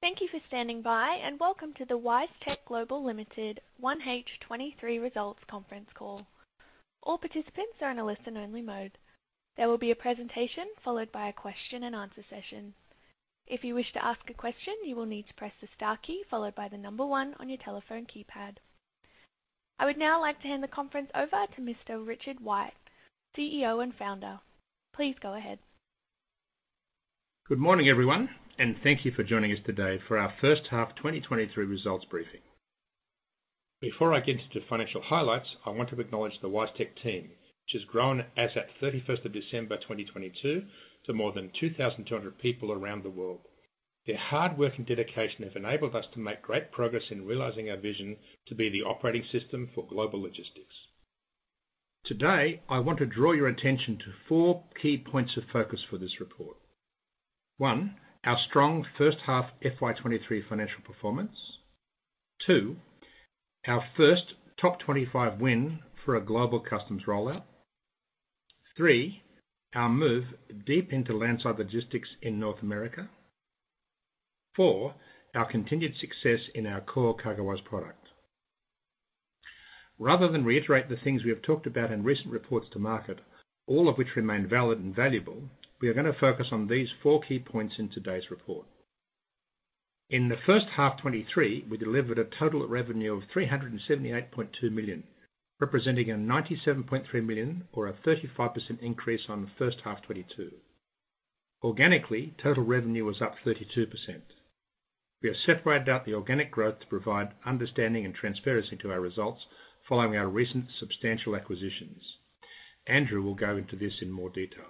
Thank you for standing by, and welcome to the WiseTech Global Limited 1H 2023 results conference call. All participants are in a listen-only mode. There will be a presentation followed by a question and answer session. If you wish to ask a question, you will need to press the star key followed by the number one on your telephone keypad. I would now like to hand the conference over to Mr. Richard White, CEO and Founder. Please go ahead. Good morning, everyone. Thank you for joining us today for our first half 2023 results briefing. Before I get into financial highlights, I want to acknowledge the WiseTech team, which has grown as at 31st of December 2022 to more than 2,200 people around the world. Their hard work and dedication have enabled us to make great progress in realizing our vision to be the operating system for global logistics. Today, I want to draw your attention to four key points of focus for this report. One, our strong first half FY23 financial performance. Two, our first top 25 win for a global customs rollout. Three, our move deep into landside logistics in North America. Four, our continued success in our core CargoWise product. Rather than reiterate the things we have talked about in recent reports to market, all of which remain valid and valuable, we are gonna focus on these four key points in today's report. In the first half 2023, we delivered a total revenue of 378.2 million, representing a 97.3 million or a 35% increase on the first half 2022. Organically, total revenue was up 32%. We have separated out the organic growth to provide understanding and transparency to our results following our recent substantial acquisitions. Andrew will go into this in more detail.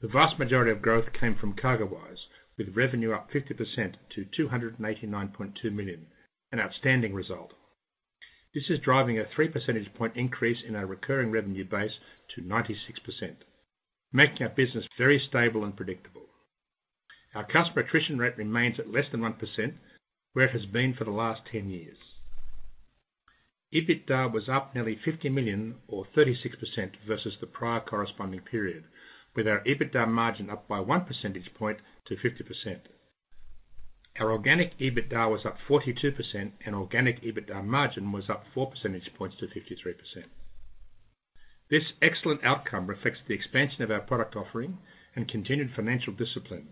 The vast majority of growth came from CargoWise, with revenue up 50% to 289.2 million, an outstanding result. This is driving a 3 percentage point increase in our recurring revenue base to 96%, making our business very stable and predictable. Our customer attrition rate remains at less than 1% where it has been for the last 10 years. EBITDA was up nearly 50 million or 36% versus the prior corresponding period with our EBITDA margin up by 1 percentage point to 50%. Our organic EBITDA was up 42%, and organic EBITDA margin was up 4 percentage points to 53%. This excellent outcome reflects the expansion of our product offering and continued financial discipline,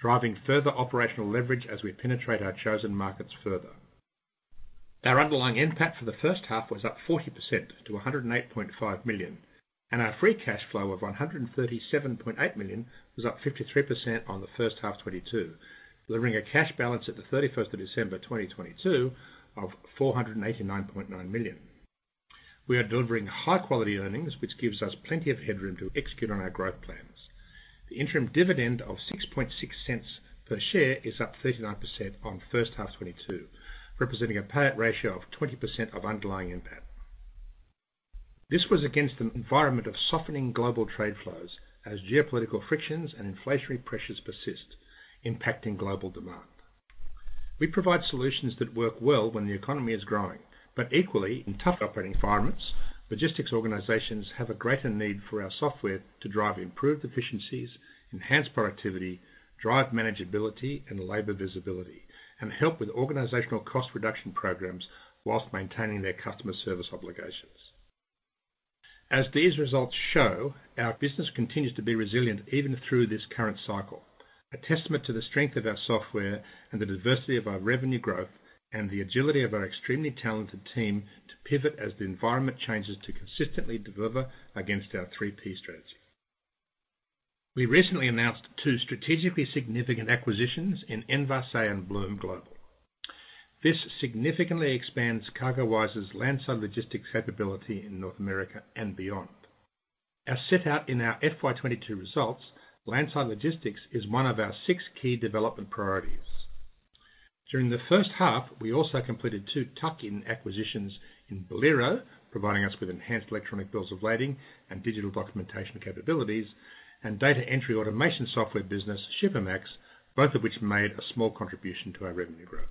driving further operational leverage as we penetrate our chosen markets further. Our underlying NPAT for the first half was up 40% to 108.5 million, and our free cash flow of 137.8 million was up 53% on the first half 2022, delivering a cash balance at the 31st of December 2022 of 489.9 million. We are delivering high quality earnings, which gives us plenty of headroom to execute on our growth plans. The interim dividend of 0.066 per share is up 39% on first half 2022, representing a payout ratio of 20% of underlying NPAT. This was against an environment of softening global trade flows as geopolitical frictions and inflationary pressures persist, impacting global demand. We provide solutions that work well when the economy is growing, but equally, in tough operating environments, logistics organizations have a greater need for our software to drive improved efficiencies, enhance productivity, drive manageability and labor visibility, and help with organizational cost reduction programs while maintaining their customer service obligations. As these results show, our business continues to be resilient even through this current cycle, a testament to the strength of our software and the diversity of our revenue growth and the agility of our extremely talented team to pivot as the environment changes to consistently deliver against our 3P strategy. We recently announced 2 strategically significant acquisitions in Envase and Blume Global. This significantly expands CargoWise's landside logistics capability in North America and beyond. As set out in our FY 22 results, landside logistics is one of our six key development priorities. During the first half, we also completed 2 tuck-in acquisitions in Bolero, providing us with enhanced electronic bills of lading and digital documentation capabilities and data entry automation software business, Shipamax, both of which made a small contribution to our revenue growth.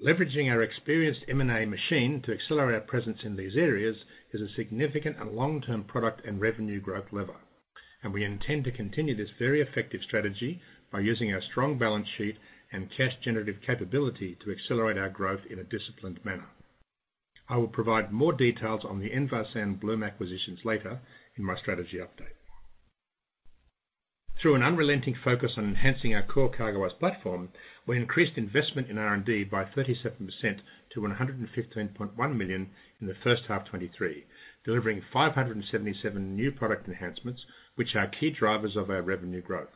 Leveraging our experienced M&A machine to accelerate our presence in these areas is a significant and long-term product and revenue growth lever. We intend to continue this very effective strategy by using our strong balance sheet and cash generative capability to accelerate our growth in a disciplined manner. I will provide more details on the Envase and Blume acquisitions later in my strategy update. Through an unrelenting focus on enhancing our core CargoWise platform, we increased investment in R&D by 37% to 115.1 million in the first half 2023, delivering 577 new product enhancements, which are key drivers of our revenue growth.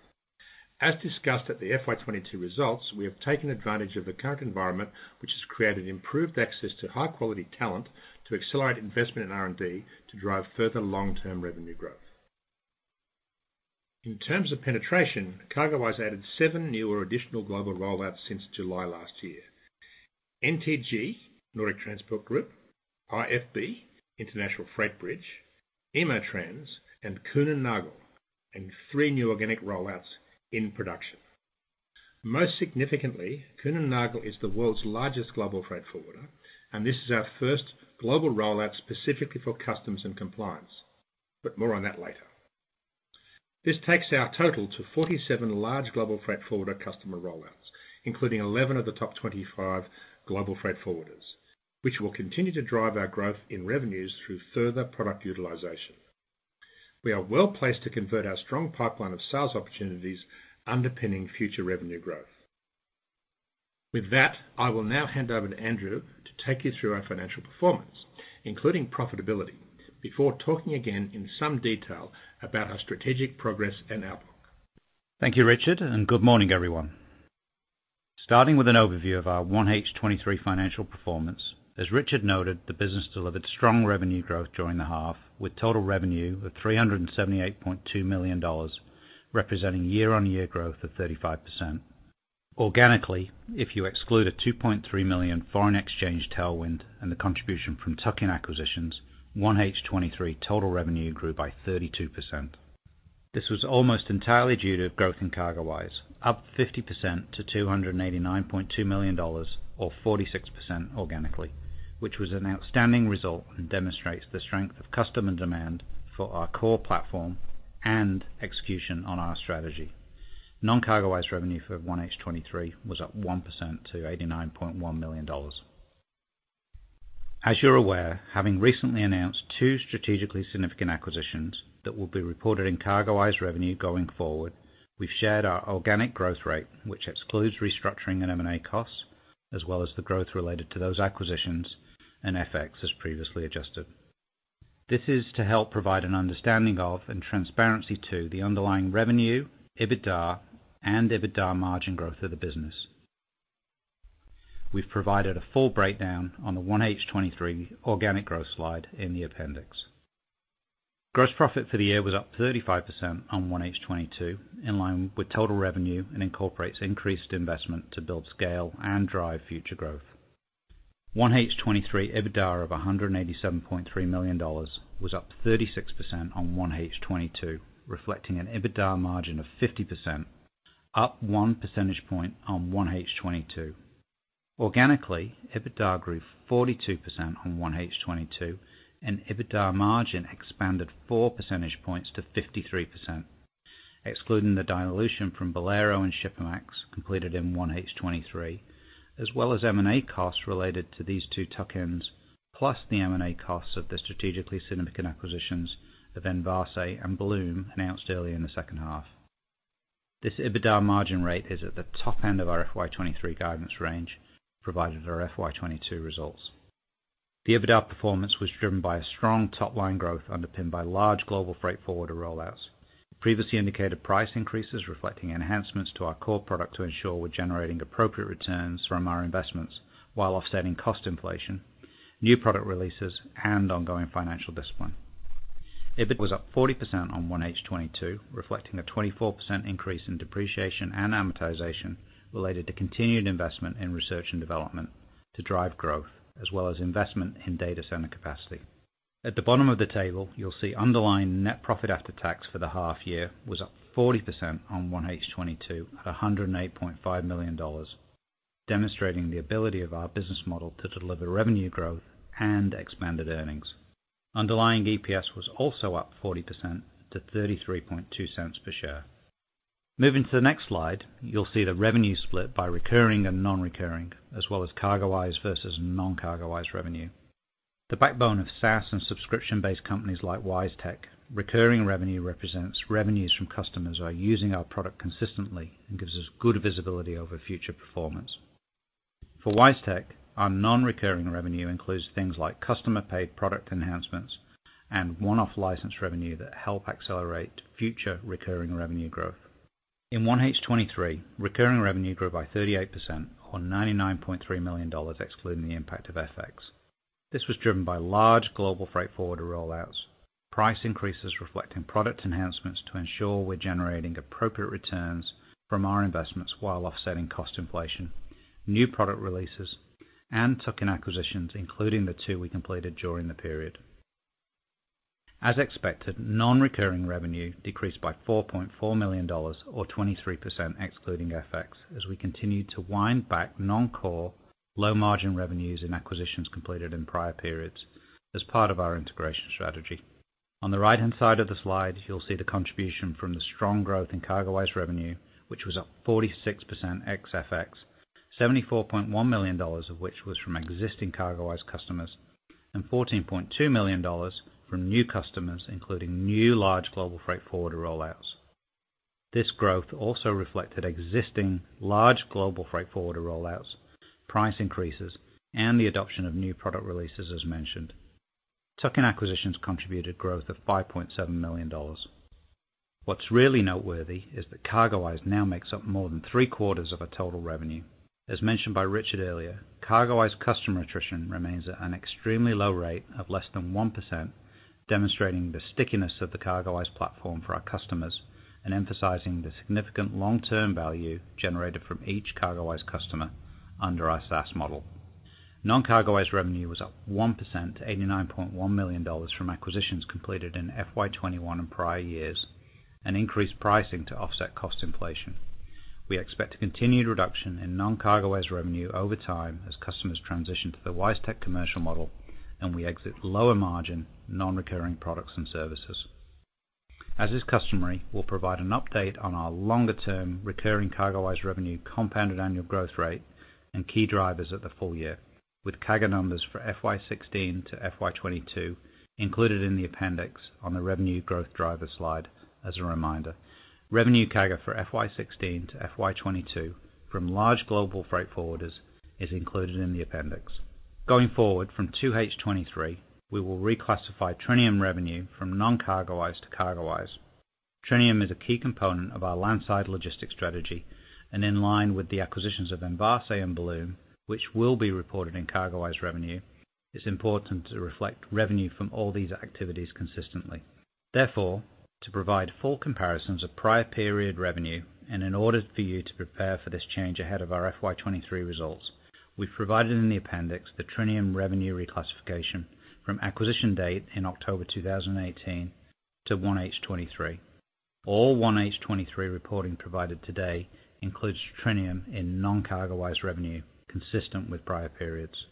As discussed at the FY22 results, we have taken advantage of the current environment, which has created improved access to high quality talent to accelerate investment in R&D to drive further long-term revenue growth. In terms of penetration, CargoWise added seven new or additional global rollouts since July last year. NTG, Nordic Transport Group, IFB, International Freightbridge, EMO Trans, and Kühne + Nagel, and three new organic rollouts in production. Most significantly, Kühne + Nagel is the world's largest global freight forwarder. This is our first global rollout specifically for customs and compliance. More on that later. This takes our total to 47 large global freight forwarder customer rollouts, including 11 of the top 25 global freight forwarders, which will continue to drive our growth in revenues through further product utilization. We are well-placed to convert our strong pipeline of sales opportunities underpinning future revenue growth. With that, I will now hand over to Andrew to take you through our financial performance, including profitability, before talking again in some detail about our strategic progress and outlook. Thank you, Richard. Good morning, everyone. Starting with an overview of our 1H 2023 financial performance, as Richard noted, the business delivered strong revenue growth during the half, with total revenue of 378.2 million dollars, representing year-on-year growth of 35%. Organically, if you exclude a 2.3 million foreign exchange tailwind and the contribution from tuck-in acquisitions, 1H 2023 total revenue grew by 32%. This was almost entirely due to growth in CargoWise, up 50% to AUD 289.2 million, or 46% organically, which was an outstanding result and demonstrates the strength of customer demand for our core platform and execution on our strategy. Non-CargoWise revenue for 1H 2023 was up 1% to 89.1 million dollars. As you're aware, having recently announced two strategically significant acquisitions that will be reported in CargoWise revenue going forward, we've shared our organic growth rate, which excludes restructuring and M&A costs, as well as the growth related to those acquisitions and FX as previously adjusted. This is to help provide an understanding of and transparency to the underlying revenue, EBITDA and EBITDA margin growth of the business. We've provided a full breakdown on the 1H 2023 organic growth slide in the appendix. Gross profit for the year was up 35% on 1H 2022, in line with total revenue, and incorporates increased investment to build scale and drive future growth. 1H 2023 EBITDA of 187.3 million dollars was up 36% on 1H 2022, reflecting an EBITDA margin of 50%, up 1 percentage point on 1H 2022. Organically, EBITDA grew 42% on 1H 2022. EBITDA margin expanded 4 percentage points to 53%. Excluding the dilution from Bolero and Shipamax completed in 1H 2023, as well as M&A costs related to these two tuck-ins, plus the M&A costs of the strategically significant acquisitions of Envase and Blume announced earlier in the second half. This EBITDA margin rate is at the top end of our FY 2023 guidance range provided our FY 2022 results. The EBITDA performance was driven by a strong top-line growth underpinned by large global freight forwarder rollouts. Previously indicated price increases reflecting enhancements to our core product to ensure we're generating appropriate returns from our investments while offsetting cost inflation, new product releases, and ongoing financial discipline. EBITDA was up 40% on 1H '22, reflecting a 24% increase in depreciation and amortization related to continued investment in research and development to drive growth, as well as investment in data center capacity. At the bottom of the table, you'll see underlying net profit after tax for the half year was up 40% on 1H '22 at 108.5 million dollars, demonstrating the ability of our business model to deliver revenue growth and expanded earnings. Underlying EPS was also up 40% to 0.332 per share. Moving to the next slide, you'll see the revenue split by recurring and non-recurring, as well as CargoWise versus non-CargoWise revenue. The backbone of SaaS and subscription-based companies like WiseTech, recurring revenue represents revenues from customers who are using our product consistently and gives us good visibility over future performance. For WiseTech, our non-recurring revenue includes things like customer paid product enhancements and one-off license revenue that help accelerate future recurring revenue growth. In 1H 2023, recurring revenue grew by 38% on 99.3 million dollars, excluding the impact of FX. This was driven by large global freight forwarder rollouts, price increases reflecting product enhancements to ensure we're generating appropriate returns from our investments while offsetting cost inflation, new product releases, and tuck-in acquisitions, including the two we completed during the period. As expected, non-recurring revenue decreased by 4.4 million dollars or 23% excluding FX as we continued to wind back non-core, low-margin revenues and acquisitions completed in prior periods as part of our integration strategy. On the right-hand side of the slide, you'll see the contribution from the strong growth in CargoWise revenue, which was up 46% ex FX, 74.1 million dollars of which was from existing CargoWise customers and 14.2 million dollars from new customers, including new large global freight forwarder rollouts. This growth also reflected existing large global freight forwarder rollouts, price increases, and the adoption of new product releases as mentioned. Tuck-in acquisitions contributed growth of 5.7 million dollars. What's really noteworthy is that CargoWise now makes up more than three-quarters of our total revenue. As mentioned by Richard earlier, CargoWise customer attrition remains at an extremely low rate of less than 1%, demonstrating the stickiness of the CargoWise platform for our customers and emphasizing the significant long-term value generated from each CargoWise customer under our SaaS model. Non-CargoWise revenue was up 1% to 89.1 million dollars from acquisitions completed in FY 2021 and prior years, increased pricing to offset cost inflation. We expect a continued reduction in non-CargoWise revenue over time as customers transition to the WiseTech commercial model and we exit lower margin non-recurring products and services. As is customary, we'll provide an update on our longer-term recurring CargoWise revenue compounded annual growth rate and key drivers of the full year, with CAGR numbers for FY 2016-FY 2022 included in the appendix on the revenue growth driver slide as a reminder. Revenue CAGR for FY16-FY22 from large global freight forwarders is included in the appendix. Going forward from 2H23, we will reclassify Trinium revenue from non-CargoWise to CargoWise. Trinium is a key component of our landside logistics strategy, and in line with the acquisitions of Envase and Bolero, which will be reported in CargoWise revenue. It's important to reflect revenue from all these activities consistently. To provide full comparisons of prior period revenue and in order for you to prepare for this change ahead of our FY23 results, we've provided in the appendix the Trinium revenue reclassification from acquisition date in October 2018-1H23. All 1H23 reporting provided today includes Trinium in non-CargoWise revenue consistent with prior periods.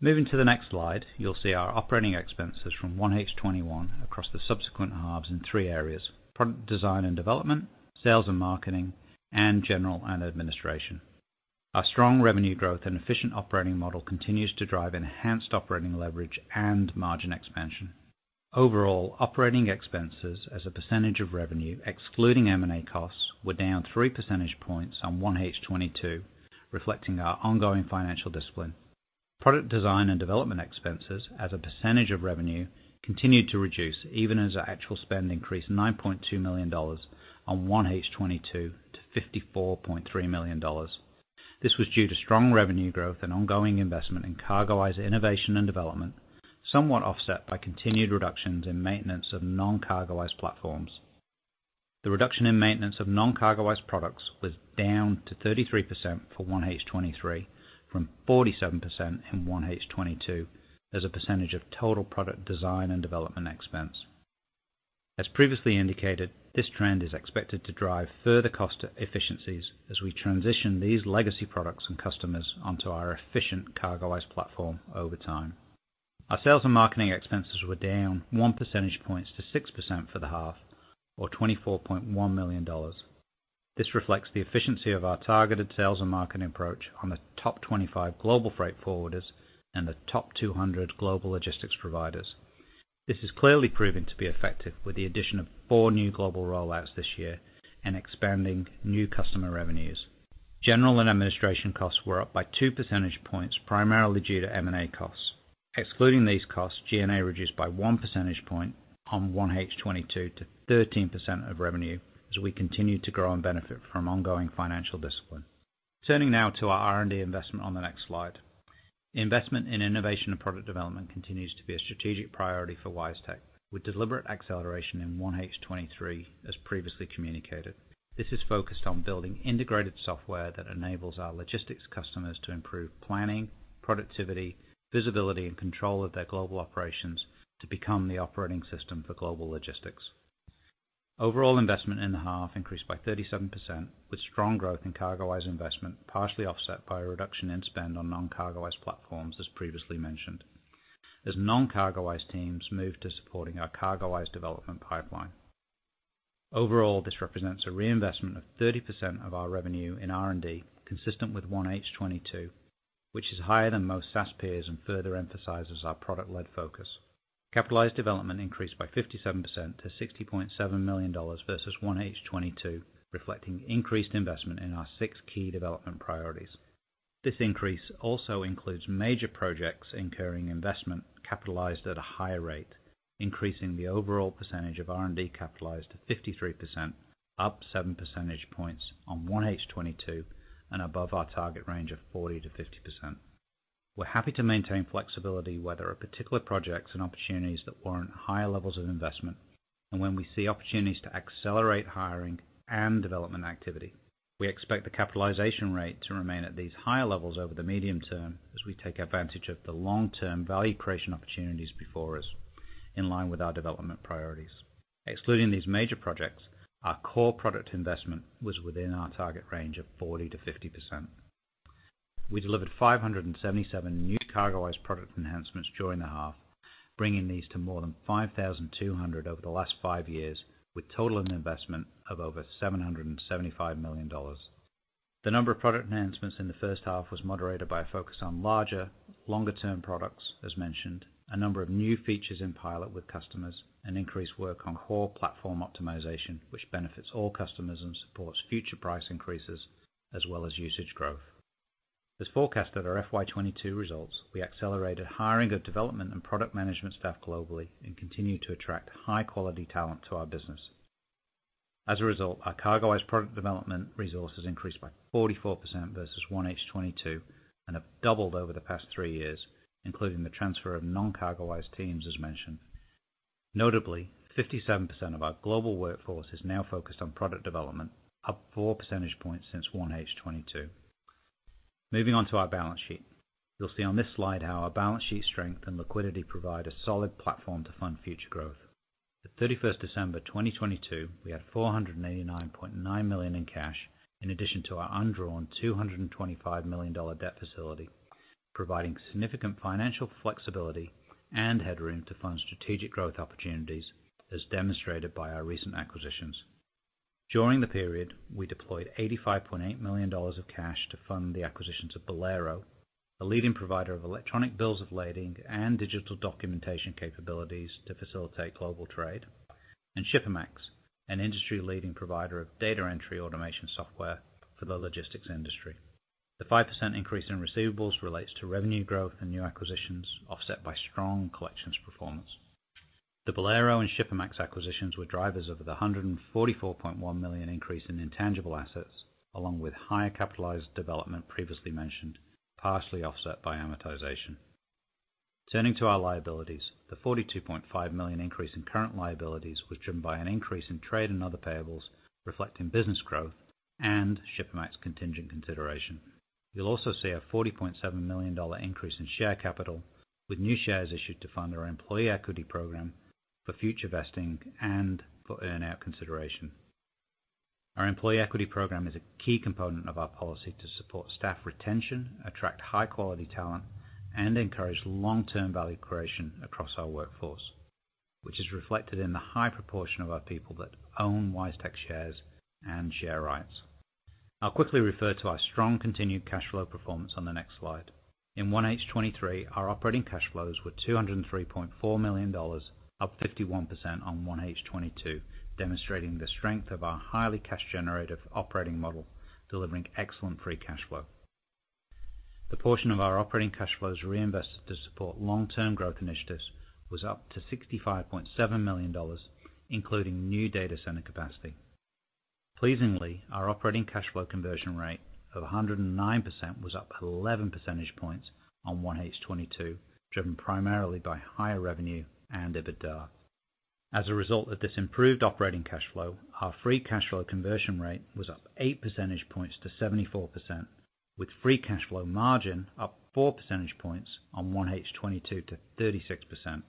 Moving to the next slide, you'll see our operating expenses from 1H 2021 across the subsequent halves in 3 areas: product design and development, sales and marketing, and general and administration. Our strong revenue growth and efficient operating model continues to drive enhanced operating leverage and margin expansion. Overall, operating expenses as a percentage of revenue excluding M&A costs, were down 3 percentage points on 1H 2022, reflecting our ongoing financial discipline. Product design and development expenses as a percentage of revenue continued to reduce even as our actual spend increased 9.2 million dollars on 1H 2022 to 54.3 million dollars. This was due to strong revenue growth and ongoing investment in CargoWise innovation and development, somewhat offset by continued reductions in maintenance of non-CargoWise platforms. The reduction in maintenance of non-CargoWise products was down to 33% for 1H-2023 from 47% in 1H-2022 as a percentage of total product design and development expense. As previously indicated, this trend is expected to drive further cost efficiencies as we transition these legacy products and customers onto our efficient CargoWise platform over time. Our sales and marketing expenses were down one percentage point to 6% for the half or 24.1 million dollars. This reflects the efficiency of our targeted sales and marketing approach on the top 25 global freight forwarders and the top 200 global logistics providers. This is clearly proven to be effective with the addition of four new global roll-outs this year and expanding new customer revenues. General and administration costs were up by two percentage points, primarily due to M&A costs. Excluding these costs, G&A reduced by 1 percentage point on 1H 2022 to 13% of revenue as we continue to grow and benefit from ongoing financial discipline. Turning now to our R&D investment on the next slide. Investment in innovation and product development continues to be a strategic priority for WiseTech, with deliberate acceleration in 1H 2023 as previously communicated. This is focused on building integrated software that enables our logistics customers to improve planning, productivity, visibility and control of their global operations to become the operating system for global logistics. Overall investment in the half increased by 37%, with strong growth in CargoWise investment partially offset by a reduction in spend on non-CargoWise platforms, as previously mentioned. Non-CargoWise teams move to supporting our CargoWise development pipeline. Overall, this represents a reinvestment of 30% of our revenue in R&D consistent with 1H22, which is higher than most SaaS peers and further emphasizes our product-led focus. Capitalized development increased by 57% to 60.7 million dollars versus 1H22, reflecting increased investment in our six key development priorities. This increase also includes major projects incurring investment capitalized at a higher rate, increasing the overall percentage of R&D capitalized to 53%, up 7 percentage points on 1H22 and above our target range of 40%-50%. We're happy to maintain flexibility, whether a particular projects and opportunities that warrant higher levels of investment and when we see opportunities to accelerate hiring and development activity. We expect the capitalization rate to remain at these higher levels over the medium term as we take advantage of the long-term value creation opportunities before us, in line with our development priorities. Excluding these major projects, our core product investment was within our target range of 40%-50%. We delivered 577 new CargoWise product enhancements during the half, bringing these to more than 5,200 over the last 5 years, with total investment of over 775 million dollars. The number of product enhancements in the first half was moderated by a focus on larger, longer-term products, as mentioned, a number of new features in pilot with customers and increased work on core platform optimization, which benefits all customers and supports future price increases as well as usage growth. As forecasted our FY22 results, we accelerated hiring of development and product management staff globally and continued to attract high-quality talent to our business. As a result, our CargoWise product development resources increased by 44% versus 1H22 and have doubled over the past three years, including the transfer of non-CargoWise teams as mentioned. Notably, 57% of our global workforce is now focused on product development, up 4 percentage points since 1H22. Moving on to our balance sheet. You'll see on this slide how our balance sheet strength and liquidity provide a solid platform to fund future growth. The 31st December 2022, we had 489.9 million in cash, in addition to our undrawn 225 million dollar debt facility, providing significant financial flexibility and headroom to fund strategic growth opportunities as demonstrated by our recent acquisitions. During the period, we deployed 85.8 million dollars of cash to fund the acquisitions of Bolero, a leading provider of electronic bills of lading and digital documentation capabilities to facilitate global trade, and Shipamax, an industry-leading provider of data entry automation software for the logistics industry. The 5% increase in receivables relates to revenue growth and new acquisitions, offset by strong collections performance. The Bolero and Shipamax acquisitions were drivers of the 144.1 million increase in intangible assets, along with higher capitalized development previously mentioned, partially offset by amortization. Turning to our liabilities. The 42.5 million increase in current liabilities was driven by an increase in trade and other payables reflecting business growth and Shipamax contingent consideration. You'll also see a 40.7 million dollar increase in share capital, with new shares issued to fund our employee equity program for future vesting and for earn-out consideration. Our employee equity program is a key component of our policy to support staff retention, attract high-quality talent, and encourage long-term value creation across our workforce, which is reflected in the high proportion of our people that own WiseTech shares and share rights. I'll quickly refer to our strong continued cash flow performance on the next slide. In 1H 2023, our operating cash flows were 203.4 million dollars, up 51% on 1H 2022, demonstrating the strength of our highly cash generative operating model, delivering excellent free cash flow. The portion of our operating cash flows reinvested to support long-term growth initiatives was up to 65.7 million dollars, including new data center capacity. Pleasingly, our operating cash flow conversion rate of 109% was up 11 percentage points on 1H 2022, driven primarily by higher revenue and EBITDA. Our free cash flow conversion rate was up 8 percentage points to 74%, with free cash flow margin up 4 percentage points on 1H 2022 to 36%.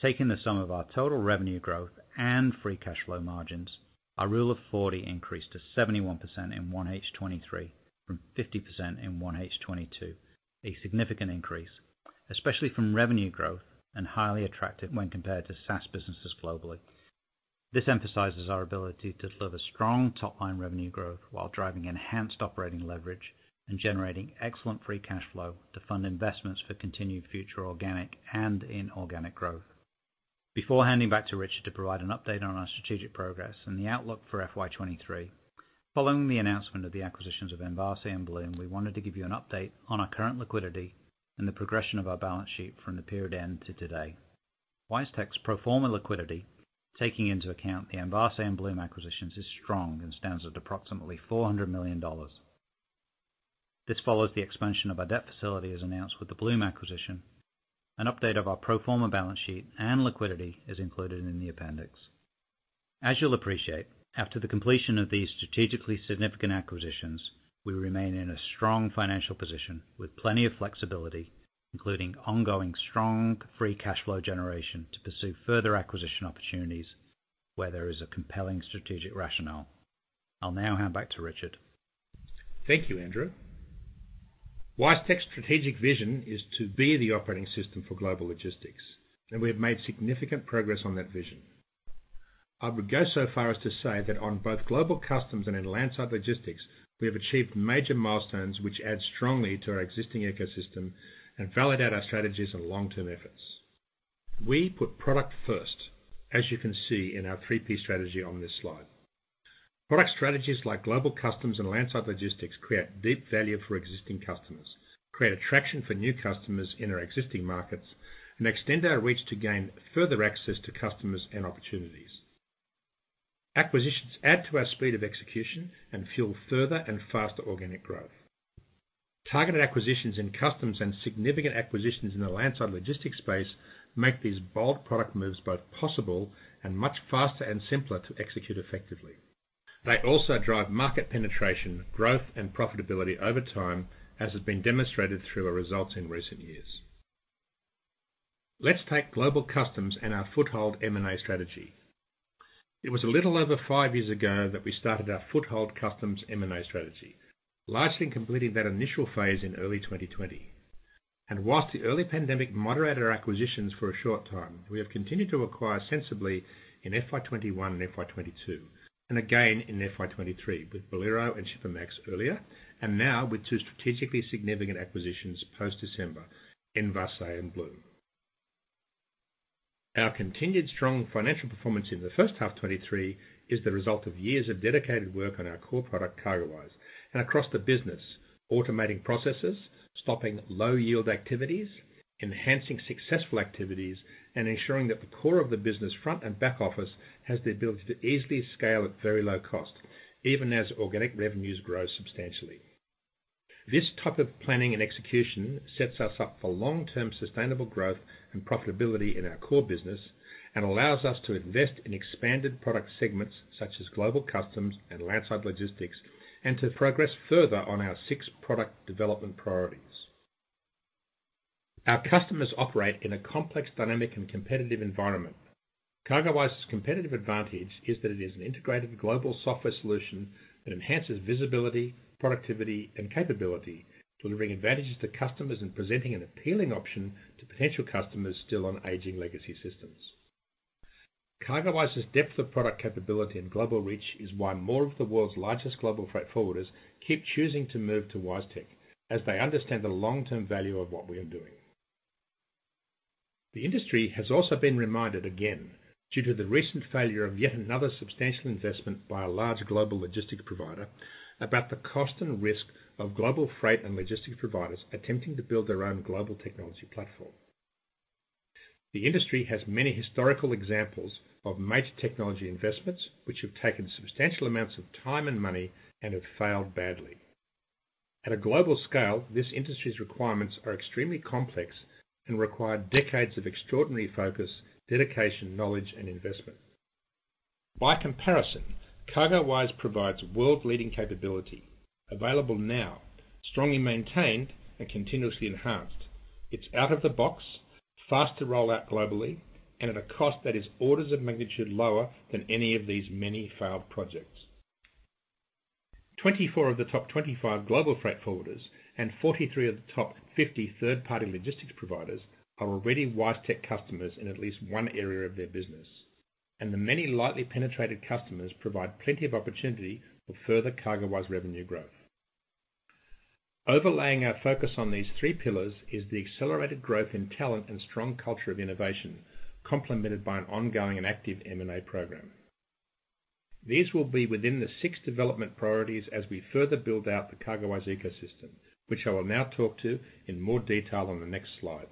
Taking the sum of our total revenue growth and free cash flow margins, our Rule of 40 increased to 71% in 1H 2023 from 50% in 1H 2022. A significant increase, especially from revenue growth and highly attractive when compared to SaaS businesses globally. This emphasizes our ability to deliver strong top-line revenue growth while driving enhanced operating leverage and generating excellent free cash flow to fund investments for continued future organic and inorganic growth. Before handing back to Richard to provide an update on our strategic progress and the outlook for FY 2023. Following the announcement of the acquisitions of Envase and Blume, we wanted to give you an update on our current liquidity and the progression of our balance sheet from the period end to today. WiseTech's pro forma liquidity, taking into account the Envase and Blume acquisitions, is strong and stands at approximately 400 million dollars. This follows the expansion of our debt facility as announced with the Blume acquisition. An update of our pro forma balance sheet and liquidity is included in the appendix. As you'll appreciate, after the completion of these strategically significant acquisitions, we remain in a strong financial position with plenty of flexibility, including ongoing strong free cash flow generation to pursue further acquisition opportunities where there is a compelling strategic rationale. I'll now hand back to Richard. Thank you, Andrew. WiseTech's strategic vision is to be the operating system for global logistics, we have made significant progress on that vision. I would go so far as to say that on both Global Customs and in Landside Logistics, we have achieved major milestones which add strongly to our existing ecosystem and validate our strategies and long-term efforts. We put product first, as you can see in our 3P strategy on this slide. Product strategies like Global Customs and Landside Logistics create deep value for existing customers, create attraction for new customers in our existing markets, extend our reach to gain further access to customers and opportunities. Acquisitions add to our speed of execution and fuel further and faster organic growth. Targeted acquisitions in customs and significant acquisitions in the landside logistics space make these bold product moves both possible and much faster and simpler to execute effectively. They also drive market penetration, growth, and profitability over time, as has been demonstrated through our results in recent years. Let's take Global Customs and our foothold M&A strategy. It was a little over 5 years ago that we started our foothold customs M&A strategy, largely completing that initial phase in early 2020. Whilst the early pandemic moderated our acquisitions for a short time, we have continued to acquire sensibly in FY 21 and FY 22, and again in FY 23 with Bolero and Shipamax earlier, and now with two strategically significant acquisitions post-December, Envase and Blume. Our continued strong financial performance in the first half 2023 is the result of years of dedicated work on our core product, CargoWise, and across the business, automating processes, stopping low-yield activities, enhancing successful activities, and ensuring that the core of the business front and back office has the ability to easily scale at very low cost, even as organic revenues grow substantially. This type of planning and execution sets us up for long-term sustainable growth and profitability in our core business and allows us to invest in expanded product segments such as global customs and landside logistics, and to progress further on our six product development priorities. Our customers operate in a complex, dynamic, and competitive environment. CargoWise's competitive advantage is that it is an integrated global software solution that enhances visibility, productivity, and capability, delivering advantages to customers and presenting an appealing option to potential customers still on aging legacy systems. CargoWise's depth of product capability and global reach is why more of the world's largest global freight forwarders keep choosing to move to WiseTech as they understand the long-term value of what we are doing. The industry has also been reminded again, due to the recent failure of yet another substantial investment by a large global logistic provider, about the cost and risk of global freight and logistics providers attempting to build their own global technology platform. The industry has many historical examples of major technology investments, which have taken substantial amounts of time and money and have failed badly. At a global scale, this industry's requirements are extremely complex and require decades of extraordinary focus, dedication, knowledge, and investment. By comparison, CargoWise provides world-leading capability available now, strongly maintained and continuously enhanced. It's out of the box, fast to roll out globally and at a cost that is orders of magnitude lower than any of these many failed projects. 24 of the top 25 global freight forwarders and 43 of the top 50 third-party logistics providers are already WiseTech customers in at least one area of their business, and the many lightly penetrated customers provide plenty of opportunity for further CargoWise revenue growth. Overlaying our focus on these three pillars is the accelerated growth in talent and strong culture of innovation, complemented by an ongoing and active M&A program. These will be within the six development priorities as we further build out the CargoWise ecosystem, which I will now talk to in more detail on the next slide.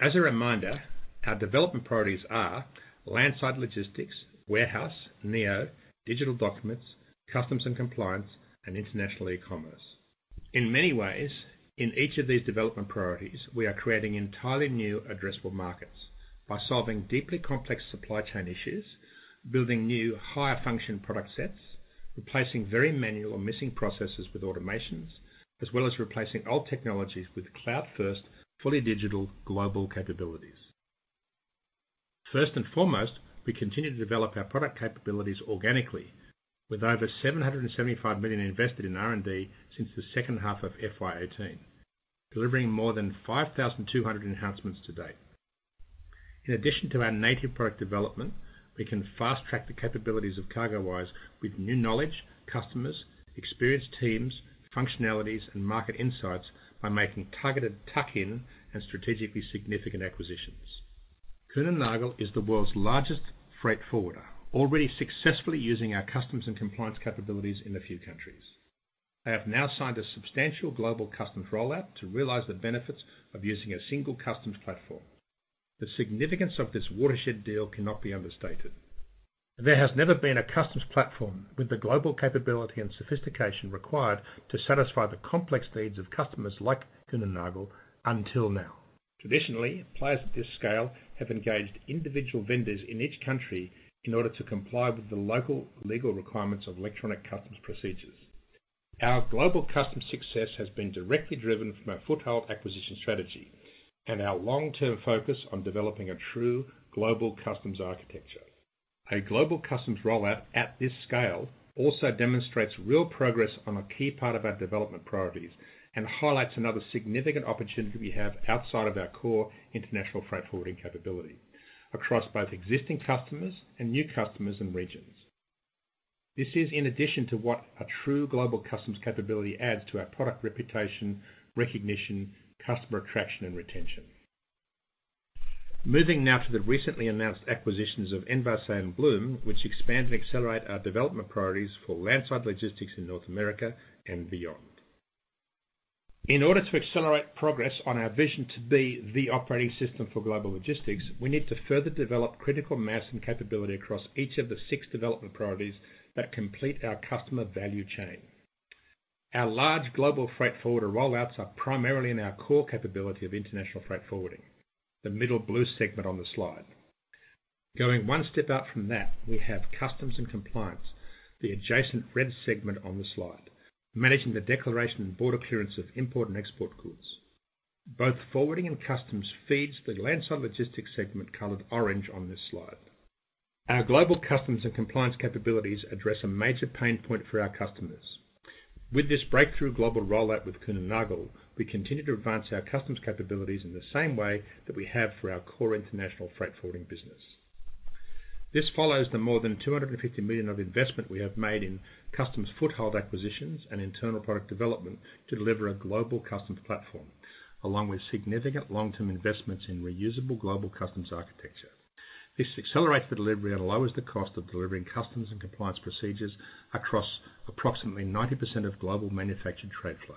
As a reminder, our development priorities are landside logistics, warehouse, Neo, digital documents, customs and compliance, and international e-commerce. In many ways, in each of these development priorities, we are creating entirely new addressable markets by solving deeply complex supply chain issues, building new higher function product sets, replacing very manual or missing processes with automations, as well as replacing old technologies with cloud-first, fully digital global capabilities. First and foremost, we continue to develop our product capabilities organically with over 775 million invested in R&D since the second half of FY 2018, delivering more than 5,200 enhancements to date. In addition to our native product development, we can fast-track the capabilities of CargoWise with new knowledge, customers, experienced teams, functionalities, and market insights by making targeted tuck-in and strategically significant acquisitions. Kühne + Nagel is the world's largest freight forwarder, already successfully using our customs and compliance capabilities in a few countries. They have now signed a substantial global customs rollout to realize the benefits of using a single customs platform. The significance of this watershed deal cannot be understated. There has never been a customs platform with the global capability and sophistication required to satisfy the complex needs of customers like Kühne + Nagel until now. Traditionally, players at this scale have engaged individual vendors in each country in order to comply with the local legal requirements of electronic customs procedures. Our global customs success has been directly driven from our foothold acquisition strategy and our long-term focus on developing a true global customs architecture. A global customs rollout at this scale also demonstrates real progress on a key part of our development priorities and highlights another significant opportunity we have outside of our core international freight forwarding capability across both existing customers and new customers and regions. This is in addition to what a true global customs capability adds to our product reputation, recognition, customer attraction, and retention. Moving now to the recently announced acquisitions of Envase and Blume, which expand and accelerate our development priorities for landside logistics in North America and beyond. In order to accelerate progress on our vision to be the operating system for global logistics, we need to further develop critical mass and capability across each of the six development priorities that complete our customer value chain. Our large global freight forwarder rollouts are primarily in our core capability of international freight forwarding, the middle blue segment on the slide. Going one step out from that, we have customs and compliance, the adjacent red segment on the slide, managing the declaration and border clearance of import and export goods. Both forwarding and customs feeds the landside logistics segment colored orange on this slide. Our global customs and compliance capabilities address a major pain point for our customers. With this breakthrough global rollout with Kühne + Nagel, we continue to advance our customs capabilities in the same way that we have for our core international freight forwarding business. This follows the more than 250 million of investment we have made in customs foothold acquisitions and internal product development to deliver a global customs platform, along with significant long-term investments in reusable global customs architecture. This accelerates the delivery and lowers the cost of delivering customs and compliance procedures across approximately 90% of global manufactured trade flow.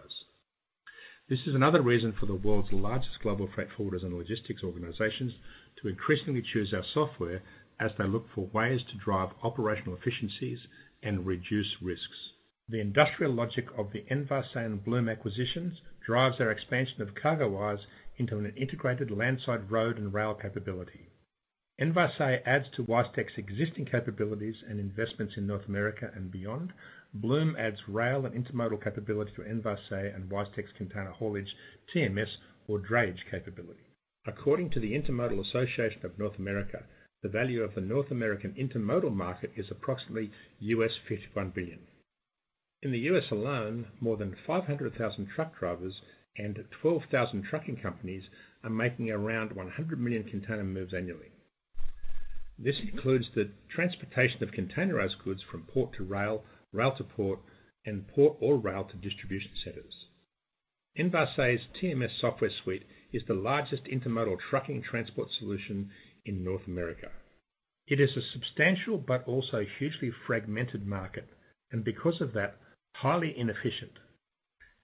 This is another reason for the world's largest global freight forwarders and logistics organizations to increasingly choose our software as they look for ways to drive operational efficiencies and reduce risks. The industrial logic of the Envase and Blume acquisitions drives our expansion of CargoWise into an integrated landside road and rail capability. Envase adds to WiseTech's existing capabilities and investments in North America and beyond. Blume adds rail and intermodal capability to Envase and WiseTech's container haulage, TMS or drayage capability. According to the Intermodal Association of North America, the value of the North American intermodal market is approximately US $51 billion. In the U.S. alone, more than 500,000 truck drivers and 12,000 trucking companies are making around 100 million container moves annually. This includes the transportation of containerized goods from port to rail to port, and port or rail to distribution centers. Envase's TMS software suite is the largest intermodal trucking transport solution in North America. It is a substantial but also hugely fragmented market, and because of that, highly inefficient.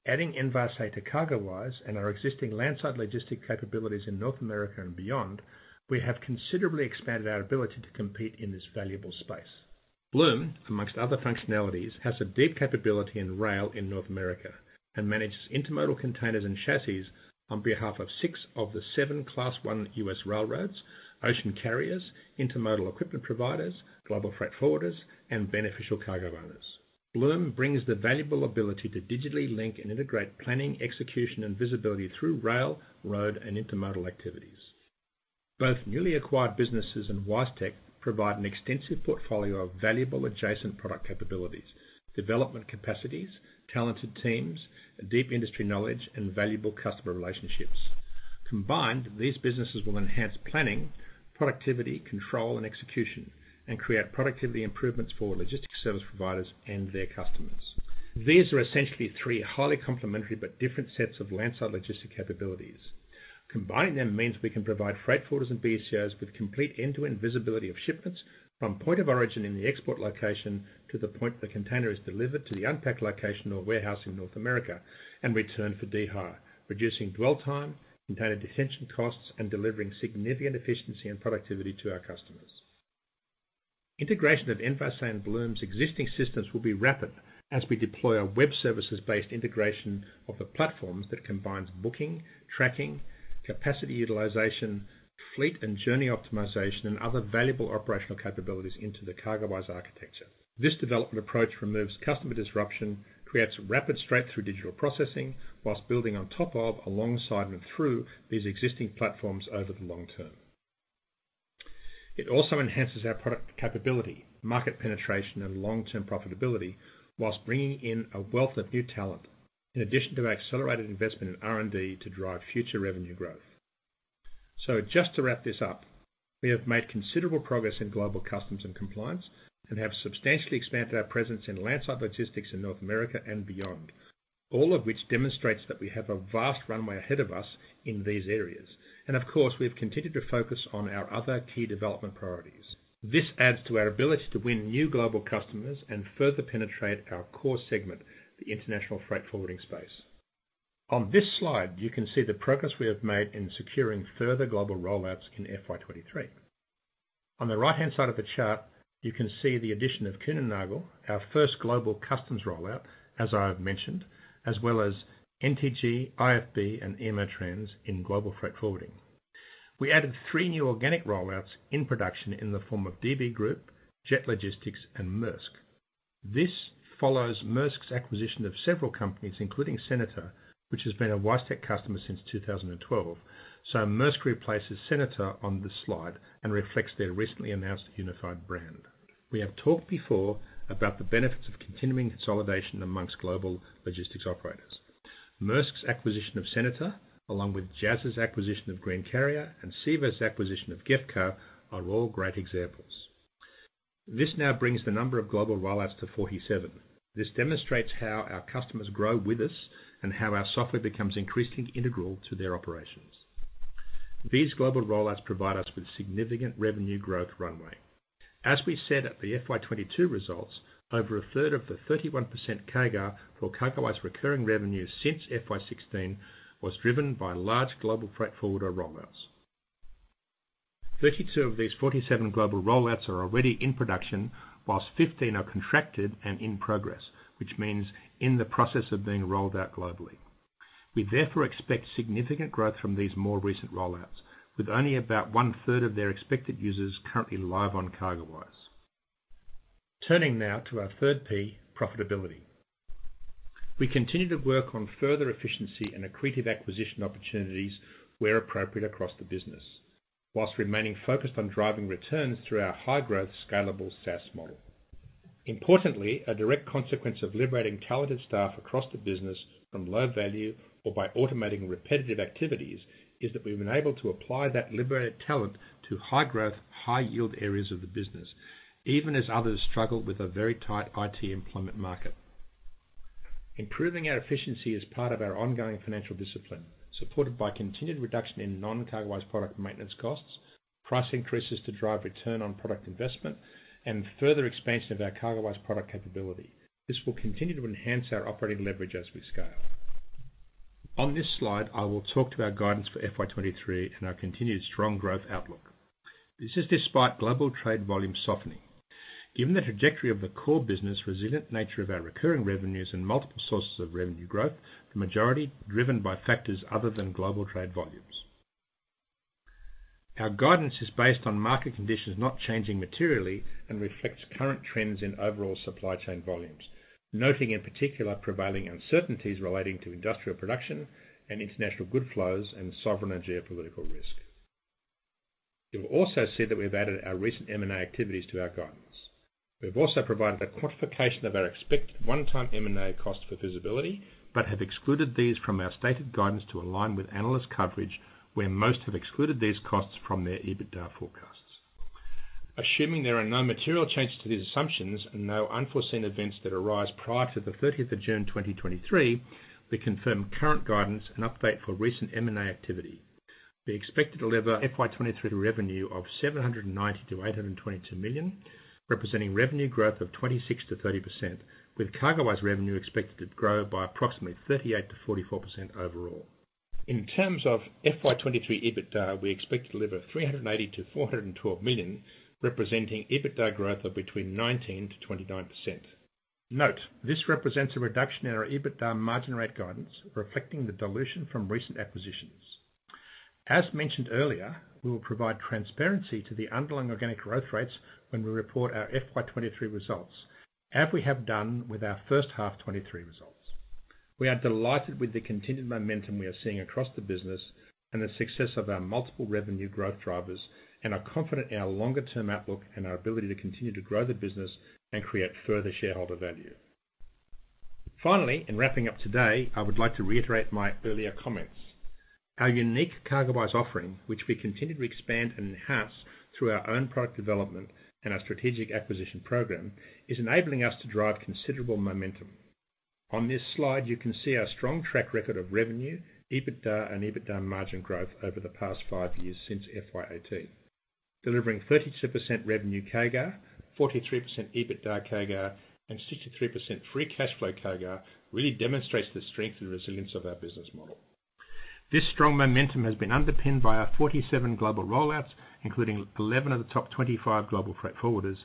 Adding Envase to CargoWise and our existing landside logistic capabilities in North America and beyond, we have considerably expanded our ability to compete in this valuable space. Blume, amongst other functionalities, has a deep capability in rail in North America and manages intermodal containers and chassis on behalf of six of the seven Class 1 U.S. railroads, ocean carriers, intermodal equipment providers, global freight forwarders, and beneficial cargo owners. Blume brings the valuable ability to digitally link and integrate planning, execution, and visibility through rail, road, and intermodal activities. Both newly acquired businesses and WiseTech provide an extensive portfolio of valuable adjacent product capabilities, development capacities, talented teams, a deep industry knowledge, and valuable customer relationships. Combined, these businesses will enhance planning, productivity, control, and execution and create productivity improvements for logistics service providers and their customers. These are essentially three highly complementary but different sets of landside logistics capabilities. Combining them means we can provide freight forwarders and BCOs with complete end-to-end visibility of shipments from point of origin in the export location to the point the container is delivered to the unpack location or warehouse in North America and returned for dehire, reducing dwell time, container detention costs, and delivering significant efficiency and productivity to our customers. Integration of Envase and Blume's existing systems will be rapid as we deploy our web services-based integration of the platforms that combines booking, tracking, capacity utilization, fleet and journey optimization, and other valuable operational capabilities into the CargoWise architecture. This development approach removes customer disruption, creates rapid straight-through digital processing whilst building on top of, alongside, and through these existing platforms over the long term. It also enhances our product capability, market penetration, and long-term profitability whilst bringing in a wealth of new talent in addition to our accelerated investment in R&D to drive future revenue growth. Just to wrap this up, we have made considerable progress in global customs and compliance and have substantially expanded our presence in landside logistics in North America and beyond, all of which demonstrates that we have a vast runway ahead of us in these areas. Of course, we've continued to focus on our other key development priorities. This adds to our ability to win new global customers and further penetrate our core segment, the international freight forwarding space. On this slide, you can see the progress we have made in securing further global rollouts in FY 2023. On the right-hand side of the chart, you can see the addition of Kühne + Nagel, our first global customs rollout, as I have mentioned, as well as NTG, IFB, and EMO Trans in global freight forwarding. We added three new organic rollouts in production in the form of DB Group, Jet Logistics, and Maersk. This follows Maersk's acquisition of several companies, including Senator, which has been a WiseTech customer since 2012. Maersk replaces Senator on this slide and reflects their recently announced unified brand. We have talked before about the benefits of continuing consolidation amongst global logistics operators. Maersk's acquisition of Senator, along with JAS's acquisition of Greencarrier and CEVA's acquisition of GEFCO, are all great examples. This now brings the number of global rollouts to 47. This demonstrates how our customers grow with us and how our software becomes increasingly integral to their operations. These global rollouts provide us with significant revenue growth runway. As we said at the FY22 results, over a third of the 31% CAGR for CargoWise recurring revenue since FY16 was driven by large global freight forwarder rollouts. 32 of these 47 global rollouts are already in production, whilst 15 are contracted and in progress, which means in the process of being rolled out globally. We therefore expect significant growth from these more recent rollouts, with only about one-third of their expected users currently live on CargoWise. Turning now to our third P, profitability. We continue to work on further efficiency and accretive acquisition opportunities where appropriate across the business whilst remaining focused on driving returns through our high-growth scalable SaaS model. Importantly, a direct consequence of liberating talented staff across the business from low-value or by automating repetitive activities is that we've been able to apply that liberated talent to high-growth, high-yield areas of the business, even as others struggle with a very tight IT employment market. Improving our efficiency is part of our ongoing financial discipline, supported by continued reduction in non-CargoWise product maintenance costs. Price increases to drive return on product investment and further expansion of our CargoWise product capability. This will continue to enhance our operating leverage as we scale. On this slide, I will talk to our guidance for FY 23 and our continued strong growth outlook. This is despite global trade volume softening. Given the trajectory of the core business, resilient nature of our recurring revenues and multiple sources of revenue growth, the majority driven by factors other than global trade volumes. Our guidance is based on market conditions not changing materially and reflects current trends in overall supply chain volumes, noting in particular prevailing uncertainties relating to industrial production and international good flows and sovereign and geopolitical risk. You'll also see that we've added our recent M&A activities to our guidance. We've also provided a quantification of our expect one time M&A cost for visibility, but have excluded these from our stated guidance to align with analyst coverage, where most have excluded these costs from their EBITDA forecasts. Assuming there are no material changes to these assumptions and no unforeseen events that arise prior to the 13th of June 2023, we confirm current guidance and update for recent M&A activity. We expect to deliver FY 2023 revenue of 790 million-822 million, representing revenue growth of 26%-30%, with CargoWise revenue expected to grow by approximately 38%-44% overall. In terms of FY 2023 EBITDA, we expect to deliver 380 million-412 million, representing EBITDA growth of between 19%-29%. Note, this represents a reduction in our EBITDA margin rate guidance, reflecting the dilution from recent acquisitions. As mentioned earlier, we will provide transparency to the underlying organic growth rates when we report our FY 2023 results, as we have done with our first half 2023 results. We are delighted with the continued momentum we are seeing across the business and the success of our multiple revenue growth drivers, and are confident in our longer term outlook and our ability to continue to grow the business and create further shareholder value. In wrapping up today, I would like to reiterate my earlier comments. Our unique CargoWise offering, which we continue to expand and enhance through our own product development and our strategic acquisition program, is enabling us to drive considerable momentum. This slide, you can see our strong track record of revenue, EBITDA and EBITDA margin growth over the past five years since FY 2018. Delivering 32% revenue CAGR, 43% EBITDA CAGR, and 63% free cash flow CAGR really demonstrates the strength and resilience of our business model. This strong momentum has been underpinned by our 47 global rollouts, including 11 of the top 25 global freight forwarders,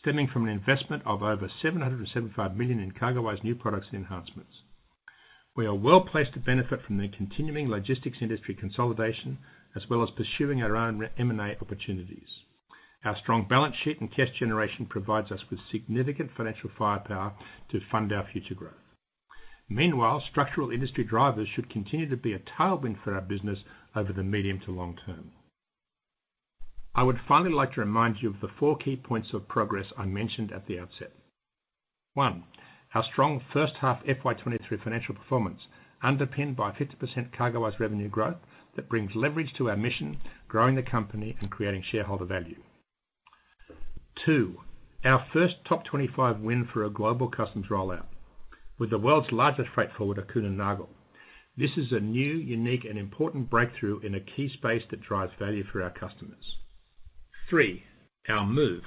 stemming from an investment of over 775 million in CargoWise new products and enhancements. We are well-placed to benefit from the continuing logistics industry consolidation as well as pursuing our own M&A opportunities. Our strong balance sheet and cash generation provides us with significant financial firepower to fund our future growth. Structural industry drivers should continue to be a tailwind for our business over the medium to long term. I would finally like to remind you of the four key points of progress I mentioned at the outset. One, our strong first half FY23 financial performance, underpinned by 50% CargoWise revenue growth that brings leverage to our mission, growing the company and creating shareholder value. Two, our first top 25 win for a global customs rollout with the world's largest freight forwarder, Kühne + Nagel. This is a new, unique and important breakthrough in a key space that drives value for our customers. Three, our move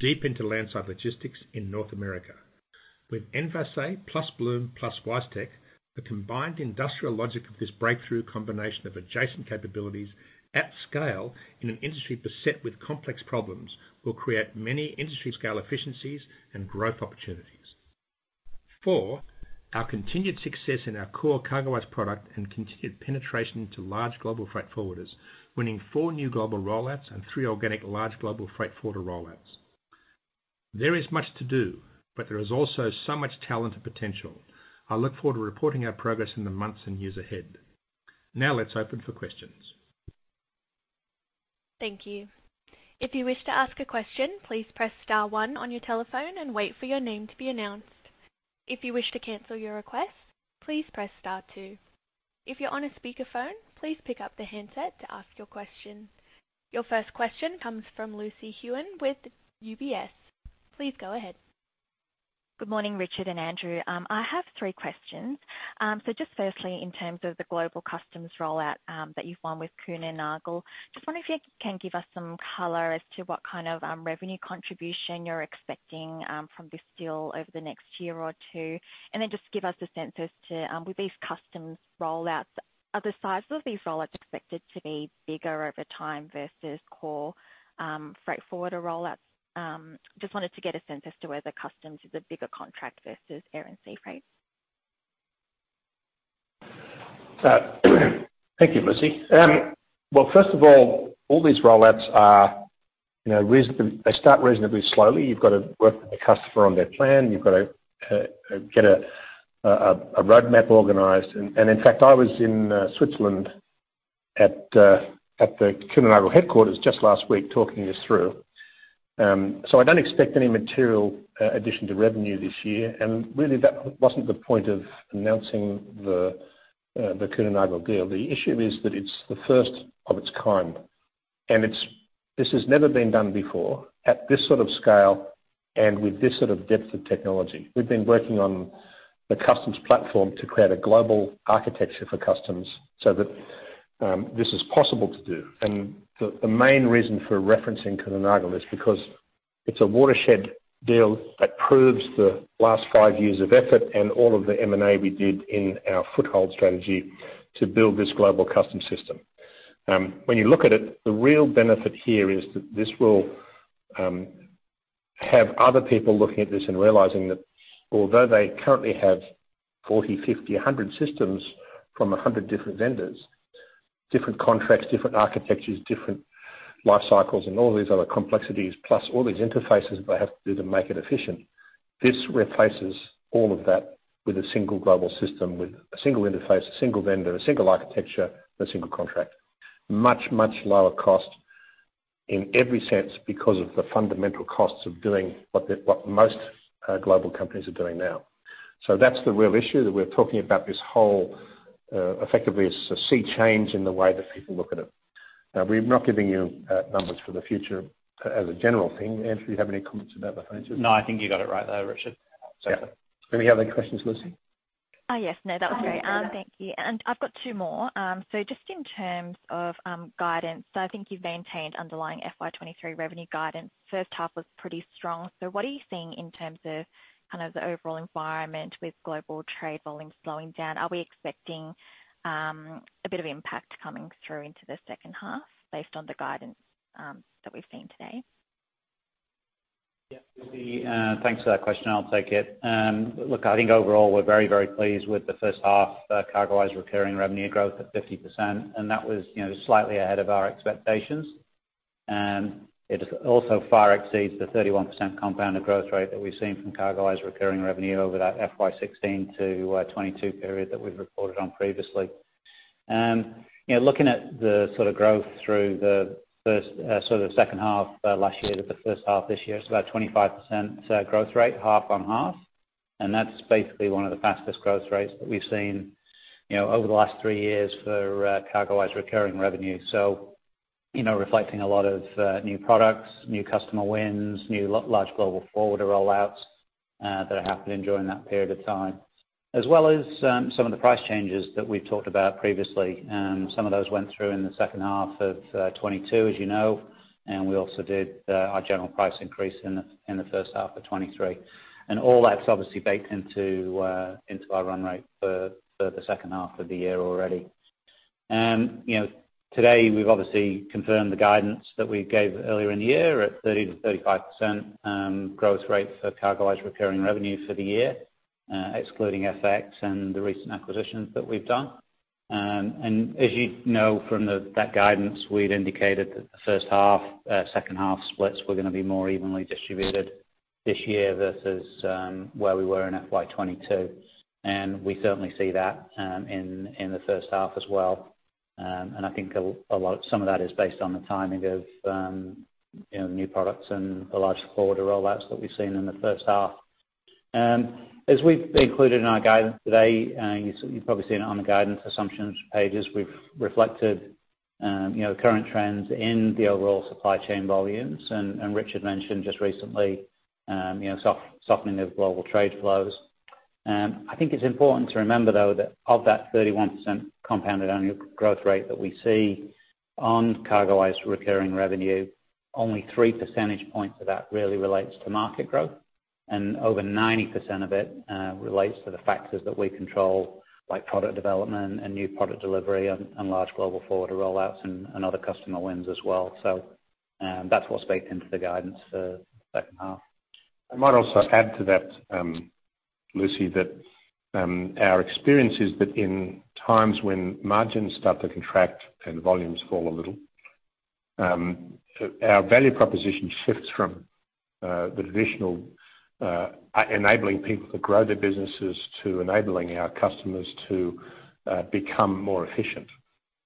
deep into landside logistics in North America. With Envase plus Blume plus WiseTech, the combined industrial logic of this breakthrough combination of adjacent capabilities at scale in an industry beset with complex problems, will create many industry scale efficiencies and growth opportunities. Four, our continued success in our core CargoWise product and continued penetration into large global freight forwarders, winning four new global rollouts and three organic large global freight forwarder rollouts. There is much to do, but there is also so much talent and potential. I look forward to reporting our progress in the months and years ahead. Let's open for questions. Thank you. If you wish to ask a question, please press star one on your telephone and wait for your name to be announced. If you wish to cancel your request, please press star two. If you're on a speakerphone, please pick up the handset to ask your question. Your first question comes from Lucy Huang with UBS. Please go ahead. Good morning, Richard and Andrew. I have three questions. Just firstly, in terms of the global customs rollout, that you've won with Kühne + Nagel, just wondering if you can give us some color as to what kind of revenue contribution you're expecting from this deal over the next year or two. Just give us a sense as to, with these customs rollouts, are the sizes of these rollouts expected to be bigger over time versus core freight forwarder rollouts? Just wanted to get a sense as to whether customs is a bigger contract versus air and sea freight. Thank you, Lucy. Well, first of all these rollouts are, you know, they start reasonably slowly. You've got to work with the customer on their plan. You've got to get a roadmap organized. In fact, I was in Switzerland at the Kühne + Nagel headquarters just last week talking this through. I don't expect any material addition to revenue this year. Really that wasn't the point of announcing the Kühne + Nagel deal. The issue is that it's the first of its kind and it's. This has never been done before at this sort of scale. With this sort of depth of technology, we've been working on the customs platform to create a global architecture for customs so that this is possible to do. The main reason for referencing Kühne + Nagel is because it's a watershed deal that proves the last five years of effort and all of the M&A we did in our foothold strategy to build this global customs system. When you look at it, the real benefit here is that this will have other people looking at this and realizing that although they currently have 40, 50, 100 systems from 100 different vendors, different contracts, different architectures, different life cycles, and all these other complexities, plus all these interfaces they have to do to make it efficient, this replaces all of that with a single global system, with a single interface, a single vendor, a single architecture, and a single contract. Much, much lower cost in every sense because of the fundamental costs of doing what most global companies are doing now. That's the real issue, that we're talking about this whole, effectively, it's a sea change in the way that people look at it. We're not giving you numbers for the future as a general thing. Andrew, do you have any comments about the finances? No, I think you got it right there, Richard. Yeah. Any other questions, Lucy? Yes. No, that was great. Thank you. I've got two more. Just in terms of guidance, I think you've maintained underlying FY23 revenue guidance. First half was pretty strong. What are you seeing in terms of kind of the overall environment with global trade volumes slowing down? Are we expecting a bit of impact coming through into the second half based on the guidance that we've seen today? Yeah. Lucy Huang, thanks for that question. I'll take it. Look, I think overall we're very, very pleased with the first half, CargoWise recurring revenue growth of 50%, and that was, you know, slightly ahead of our expectations. It also far exceeds the 31% compounded growth rate that we've seen from CargoWise recurring revenue over that FY16 to 2022 period that we've reported on previously. You know, looking at the sort of growth through the first sort of second half last year to the first half this year, it's about 25% growth rate half on half. That's basically one of the fastest growth rates that we've seen, you know, over the last three years for CargoWise recurring revenue. You know, reflecting a lot of new products, new customer wins, new large global forwarder rollouts that happened during that period of time, as well as some of the price changes that we've talked about previously. Some of those went through in the second half of 2022, as you know, we also did our general price increase in the first half of 2023. All that's obviously baked into our run rate for the second half of the year already. You know, today we've obviously confirmed the guidance that we gave earlier in the year at 30%-35% growth rates for CargoWise recurring revenue for the year, excluding FX and the recent acquisitions that we've done. As you'd know from that guidance, we'd indicated that the first half, second half splits were gonna be more evenly distributed this year versus where we were in FY22. We certainly see that in the first half as well. I think a lot, some of that is based on the timing of, you know, new products and the larger forwarder rollouts that we've seen in the first half. As we've included in our guidance today, and you've probably seen it on the guidance assumptions pages, we've reflected, you know, current trends in the overall supply chain volumes. Richard mentioned just recently, you know, softening of global trade flows. I think it's important to remember though, that of that 31% compounded annual growth rate that we see on CargoWise recurring revenue, only 3 percentage points of that really relates to market growth. Over 90% of it, relates to the factors that we control, like product development and new product delivery and large global forwarder rollouts and other customer wins as well. That's what's baked into the guidance for second half. I might also add to that, Lucy, that our experience is that in times when margins start to contract and volumes fall a little, our value proposition shifts from the traditional enabling people to grow their businesses to enabling our customers to become more efficient.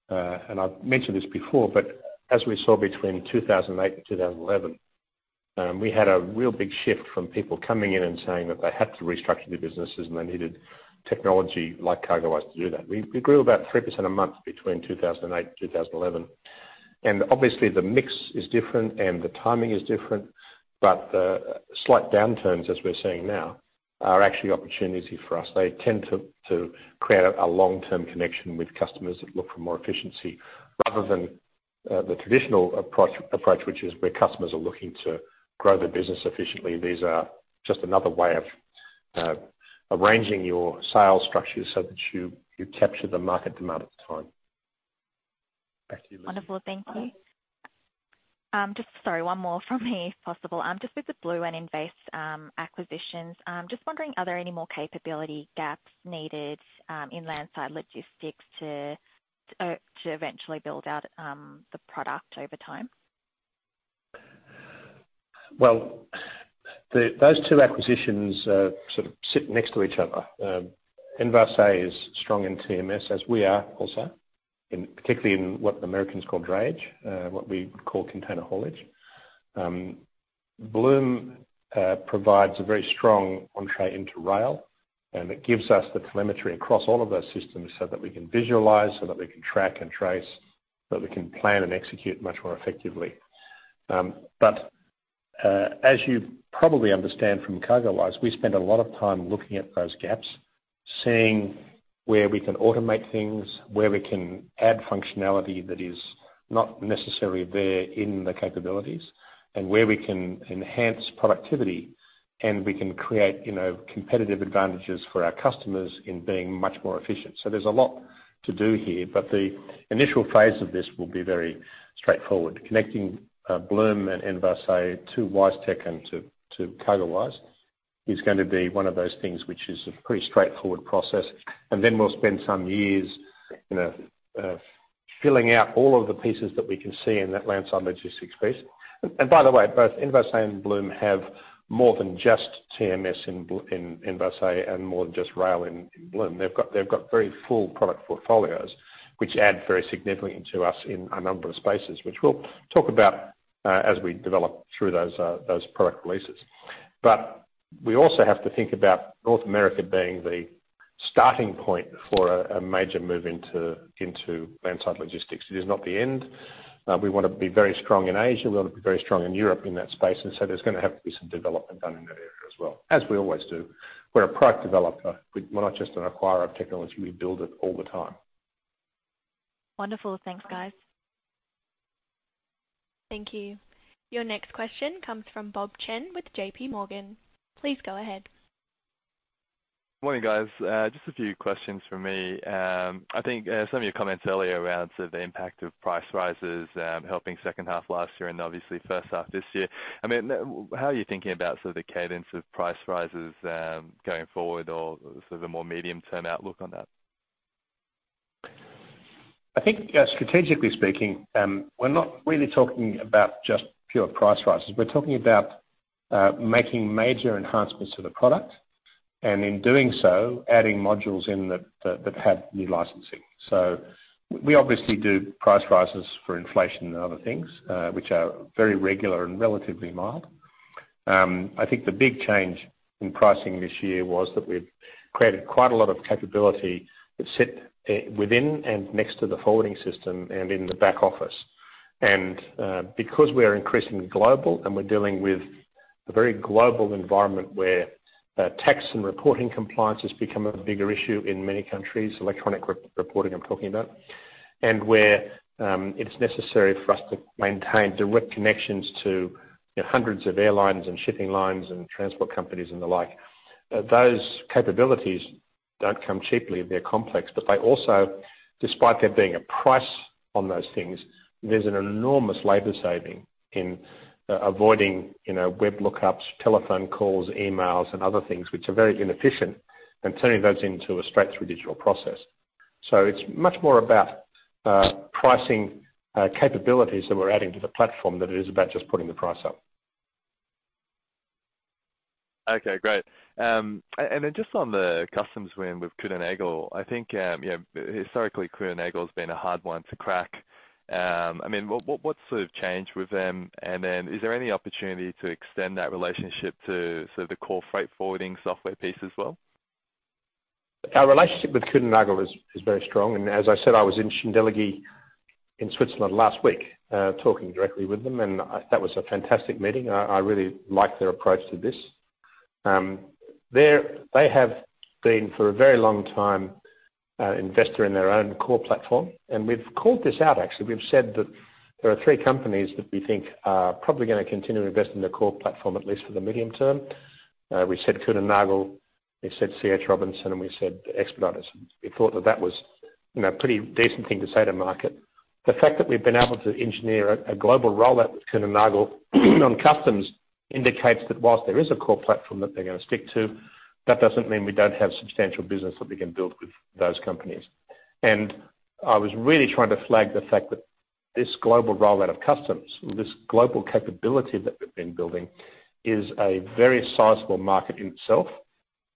I've mentioned this before, but as we saw between 2008 and 2011, we had a real big shift from people coming in and saying that they had to restructure their businesses and they needed technology like CargoWise to do that. We grew about 3% a month between 2008 and 2011. Obviously the mix is different and the timing is different, but slight downturns as we're seeing now are actually opportunity for us. They tend to create a long-term connection with customers that look for more efficiency rather than the traditional approach, which is where customers are looking to grow their business efficiently. These are just another way of arranging your sales structure so that you capture the market demand at the time. Back to you, Lucy. Wonderful. Thank you. Just, sorry, one more from me if possible. Just with the Blume and Envase acquisitions, just wondering, are there any more capability gaps needed in landside logistics to eventually build out the product over time? Those two acquisitions sort of sit next to each other. Envase is strong in TMS, as we are also, in particularly in what the Americans call drayage, what we call container haulage. Blume provides a very strong entree into rail, and it gives us the telemetry across all of those systems so that we can visualize, so that we can track and trace. That we can plan and execute much more effectively. As you probably understand from CargoWise, we spend a lot of time looking at those gaps, seeing where we can automate things, where we can add functionality that is not necessarily there in the capabilities, and where we can enhance productivity and we can create, you know, competitive advantages for our customers in being much more efficient. There's a lot to do here, but the initial phase of this will be very straightforward. Connecting Blume and Envase to WiseTech and to CargoWise is gonna be one of those things which is a pretty straightforward process. Then we'll spend some years, you know, filling out all of the pieces that we can see in that landside logistics piece. By the way, both Envase and Blume have more than just TMS in Envase, and more than just rail in Blume. They've got very full product portfolios, which add very significantly to us in a number of spaces, which we'll talk about as we develop through those product releases. We also have to think about North America being the starting point for a major move into landside logistics. It is not the end. We wanna be very strong in Asia, we wanna be very strong in Europe in that space, there's gonna have to be some development done in that area as well, as we always do. We're a product developer. We're not just an acquirer of technology. We build it all the time. Wonderful. Thanks, guys. Thank you. Your next question comes from Bob Chen with JPMorgan. Please go ahead. Morning, guys. Just a few questions from me. I think some of your comments earlier around sort of the impact of price rises helping second half last year and obviously first half this year. I mean, how are you thinking about sort of the cadence of price rises going forward or sort of a more medium-term outlook on that? I think, yeah, strategically speaking, we're not really talking about just pure price rises. We're talking about making major enhancements to the product, and in doing so, adding modules in that have new licensing. We obviously do price rises for inflation and other things, which are very regular and relatively mild. I think the big change in pricing this year was that we've created quite a lot of capability that sit within and next to the forwarding system and in the back office. Because we are increasingly global and we're dealing with a very global environment where tax and reporting compliance has become a bigger issue in many countries, electronic re-reporting, I'm talking about, and where it's necessary for us to maintain direct connections to, you know, hundreds of airlines and shipping lines and transport companies and the like, those capabilities don't come cheaply. They're complex. They also, despite there being a price on those things, there's an enormous labor saving in avoiding, you know, web lookups, telephone calls, emails, and other things which are very inefficient, and turning those into a straight-through digital process. It's much more about pricing capabilities that we're adding to the platform than it is about just putting the price up. Okay, great. Just on the customs win with Kühne + Nagel, I think, you know, historically Kühne + Nagel's been a hard one to crack. I mean, what's sort of changed with them? Is there any opportunity to extend that relationship to sort of the core freight forwarding software piece as well? Our relationship with Kühne + Nagel is very strong. As I said, I was in Schindellegi in Switzerland last week, talking directly with them, and that was a fantastic meeting. I really like their approach to this. They have been for a very long time, investor in their own core platform. We've called this out, actually. We've said that there are three companies that we think are probably gonna continue to invest in their core platform, at least for the medium term. We said Kühne + Nagel, we said CH Robinson, and we said Expeditors. We thought that that was, you know, pretty decent thing to say to market. The fact that we've been able to engineer a global rollout with Kühne + Nagel on customs indicates that whilst there is a core platform that they're gonna stick to, that doesn't mean we don't have substantial business that we can build with those companies. I was really trying to flag the fact that this global rollout of customs, this global capability that we've been building is a very sizable market in itself.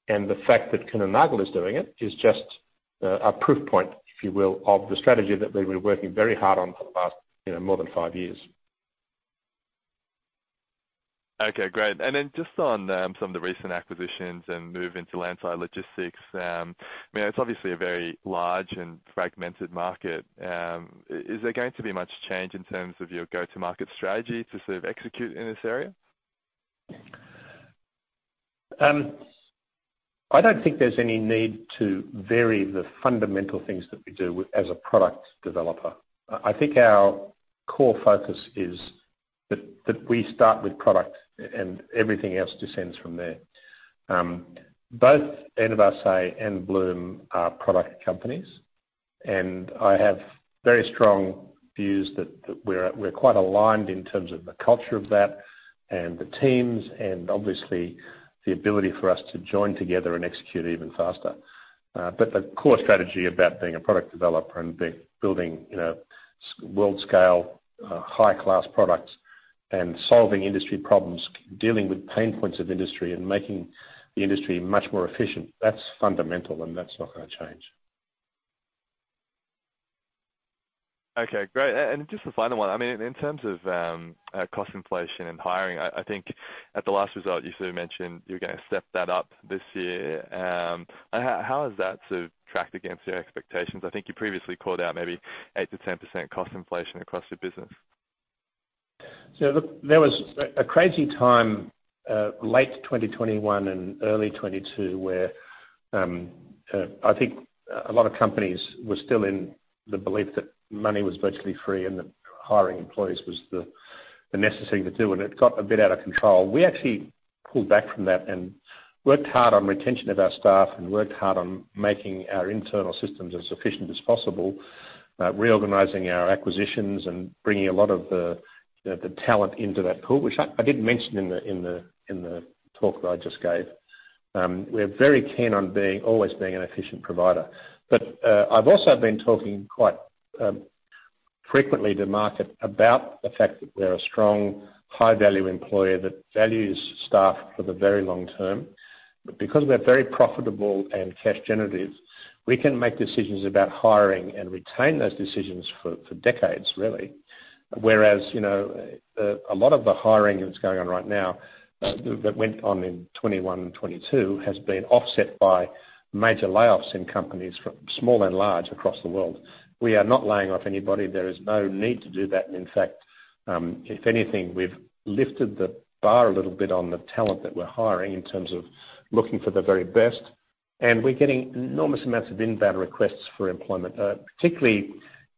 The fact that Kuehne \+ Nagel is doing it is just a proof point, if you will, of the strategy that we've been working very hard on for the past, you know, more than five years. Okay, great. Just on some of the recent acquisitions and move into landside logistics, I mean, it's obviously a very large and fragmented market. Is there going to be much change in terms of your go-to market strategy to sort of execute in this area? I don't think there's any need to vary the fundamental things that we do as a product developer. I think our core focus is that we start with product and everything else descends from there. Both Envase and Blume are product companies, and I have very strong views that we're quite aligned in terms of the culture of that and the teams and obviously the ability for us to join together and execute even faster. The core strategy about being a product developer and building, you know, world scale, high-class products and solving industry problems, dealing with pain points of industry and making the industry much more efficient, that's fundamental and that's not gonna change. Okay, great. Just a final one. I mean, in terms of cost inflation and hiring, I think at the last result you sort of mentioned you're gonna step that up this year. How has that sort of tracked against your expectations? I think you previously called out maybe 8%-10% cost inflation across your business. There was a crazy time late 2021 and early 2022 where I think a lot of companies were still in the belief that money was virtually free and that hiring employees was the necessary thing to do, and it got a bit out of control. We actually pulled back from that and worked hard on retention of our staff and worked hard on making our internal systems as efficient as possible, reorganizing our acquisitions and bringing a lot of the talent into that pool, which I didn't mention in the talk that I just gave. We're very keen on always being an efficient provider. I've also been talking quite frequently to market about the fact that we're a strong high value employer that values staff for the very long term. Because we're very profitable and cash generative, we can make decisions about hiring and retain those decisions for decades really. Whereas, you know, a lot of the hiring that's going on right now, that went on in 2021 and 2022 has been offset by major layoffs in companies from small and large across the world. We are not laying off anybody. There is no need to do that. In fact, if anything, we've lifted the bar a little bit on the talent that we're hiring in terms of looking for the very best. We're getting enormous amounts of inbound requests for employment. Particularly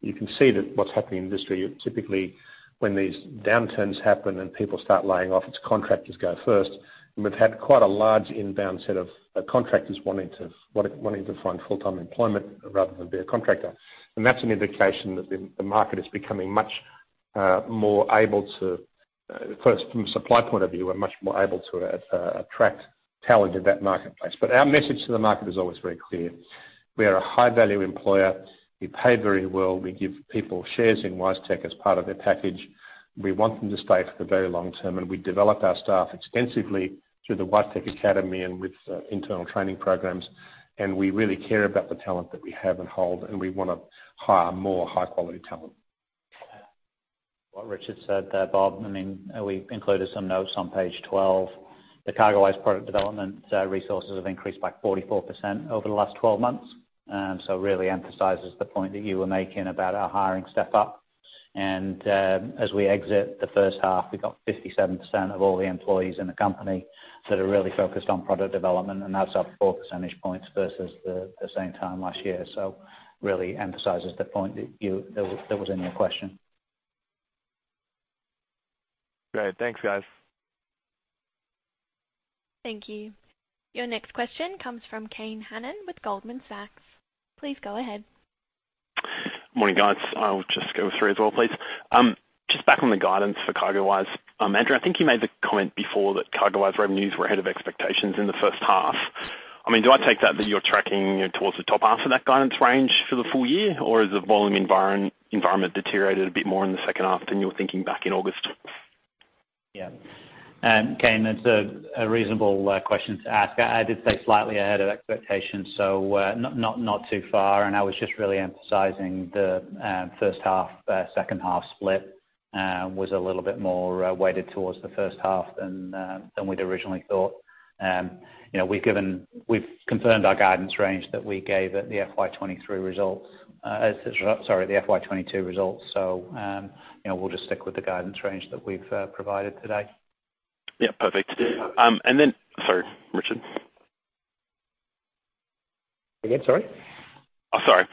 you can see that what's happening in the industry, typically when these downturns happen and people start laying off, its contractors go first. We've had quite a large inbound set of contractors wanting to find full-time employment rather than be a contractor. That's an indication that the market is becoming much more able to first from a supply point of view, we're much more able to attract talent in that marketplace. Our message to the market is always very clear. We are a high value employer. We pay very well. We give people shares in WiseTech as part of their package. We want them to stay for the very long term, and we develop our staff extensively through the WiseTech Academy and with internal training programs. We really care about the talent that we have and hold, and we wanna hire more high quality talent. What Richard said there, Bob, I mean, we included some notes on page 12. The CargoWise product development resources have increased by 44% over the last 12 months. Really emphasizes the point that you were making about our hiring step up. As we exit the first half, we've got 57% of all the employees in the company that are really focused on product development, and that's up 4 percentage points versus the same time last year. Really emphasizes the point that you, that was in your question. Great. Thanks, guys. Thank you. Your next question comes from Kane Hannan with Goldman Sachs. Please go ahead. Morning, guys. I'll just go through as well, please. Just back on the guidance for CargoWise. Andrew, I think you made the comment before that CargoWise revenues were ahead of expectations in the first half. I mean, do I take that you're tracking towards the top half of that guidance range for the full year? Or has the volume environment deteriorated a bit more in the second half than you were thinking back in August? Yeah. Kane, that's a reasonable question to ask. I did say slightly ahead of expectation, so not too far. I was just really emphasizing the first half, second half split was a little bit more weighted towards the first half than we'd originally thought. You know, we've given, we've confirmed our guidance range that we gave at the FY 23 results. sorry, the FY 22 results. You know, we'll just stick with the guidance range that we've provided today. Yeah, perfect. Sorry, Richard. Again, sorry? Sorry.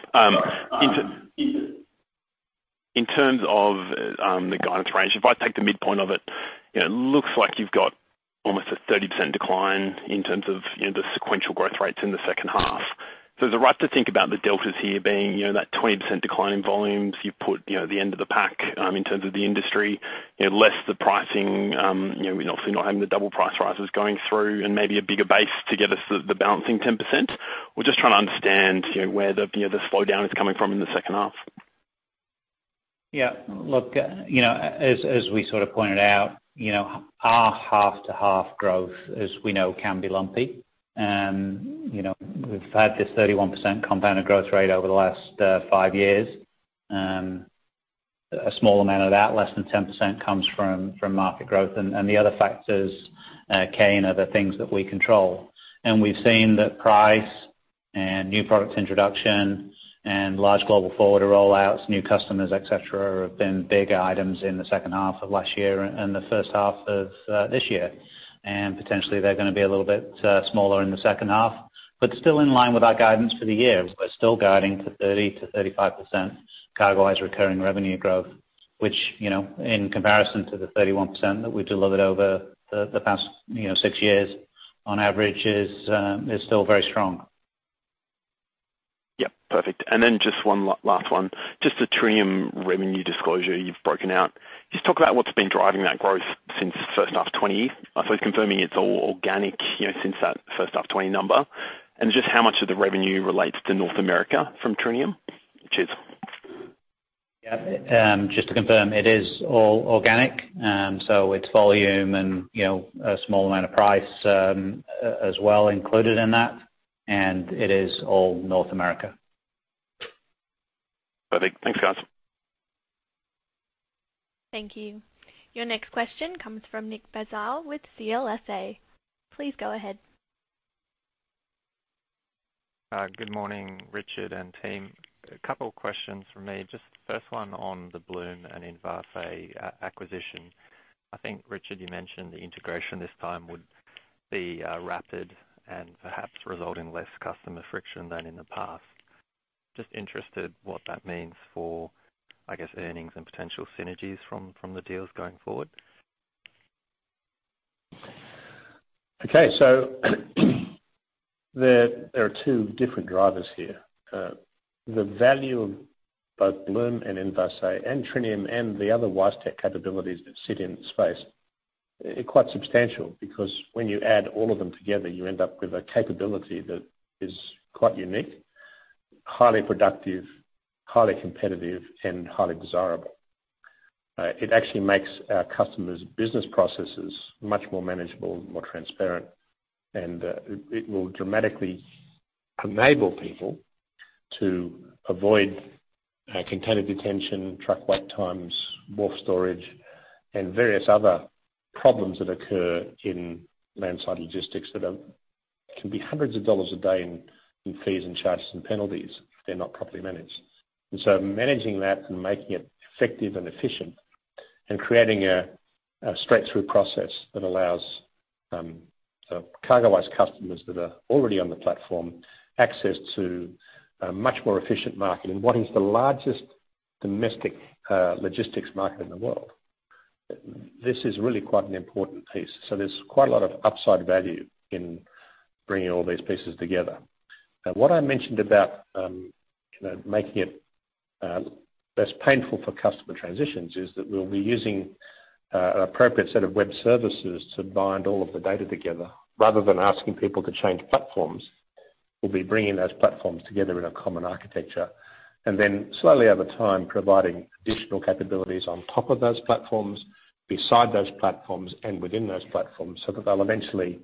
In terms of the guidance range, if I take the midpoint of it, you know, it looks like you've got almost a 30% decline in terms of, you know, the sequential growth rates in the second half. Is it right to think about the deltas here being, you know, that 20% decline in volumes you've put, you know, at the end of the pack, in terms of the industry, you know, less the pricing, you know, obviously not having the double price rises going through and maybe a bigger base to give us the balancing 10%? We're just trying to understand, you know, where the, you know, the slowdown is coming from in the second half. Yeah. Look, you know, as we sort of pointed out, you know, our half to half growth as we know can be lumpy. You know, we've had this 31% compounded growth rate over the last 5 years. A small amount of that, less than 10% comes from market growth. The other factors, Kane, are the things that we control. We've seen that price and new product introduction and large global forward rollouts, new customers, et cetera, have been big items in the second half of last year and the first half of this year. Potentially they're gonna be a little bit smaller in the second half. Still in line with our guidance for the year. We're still guiding to 30%-35% CargoWise recurring revenue growth, which, you know, in comparison to the 31% that we delivered over the past, you know, six years on average is still very strong. Yep, perfect. Then just one last one. Just the Trinium revenue disclosure you've broken out. Just talk about what's been driving that growth since the first half 2020. I suppose confirming it's all organic, you know, since that first half 2020 number. Just how much of the revenue relates to North America from Trinium? Cheers. Yeah. Just to confirm, it is all organic. It's volume and, you know, a small amount of price, as well included in that. It is all North America. Perfect. Thanks, guys. Thank you. Your next question comes from Nick Basile with CLSA. Please go ahead. Good morning, Richard and team. A couple questions from me. First one on the Blume and Envase acquisition. I think, Richard, you mentioned the integration this time would be rapid and perhaps result in less customer friction than in the past. Interested what that means for, I guess, earnings and potential synergies from the deals going forward. There are two different drivers here. The value of both Blume and Envase and Trinium and the other WiseTech capabilities that sit in the space are quite substantial because when you add all of them together, you end up with a capability that is quite unique, highly productive, highly competitive, and highly desirable. It actually makes our customers' business processes much more manageable and more transparent. It will dramatically enable people to avoid container detention, truck wait times, wharf storage, and various other problems that occur in landside logistics that can be hundreds of dollars a day in fees and charges and penalties if they're not properly managed. Managing that and making it effective and efficient and creating a straight-through process that allows the CargoWise customers that are already on the platform access to a much more efficient market in what is the largest domestic logistics market in the world. This is really quite an important piece. There's quite a lot of upside value in bringing all these pieces together. What I mentioned about, you know, making it less painful for customer transitions is that we'll be using an appropriate set of web services to bind all of the data together. Rather than asking people to change platforms, we'll be bringing those platforms together in a common architecture. Then slowly over time, providing additional capabilities on top of those platforms, beside those platforms, and within those platforms so that they'll eventually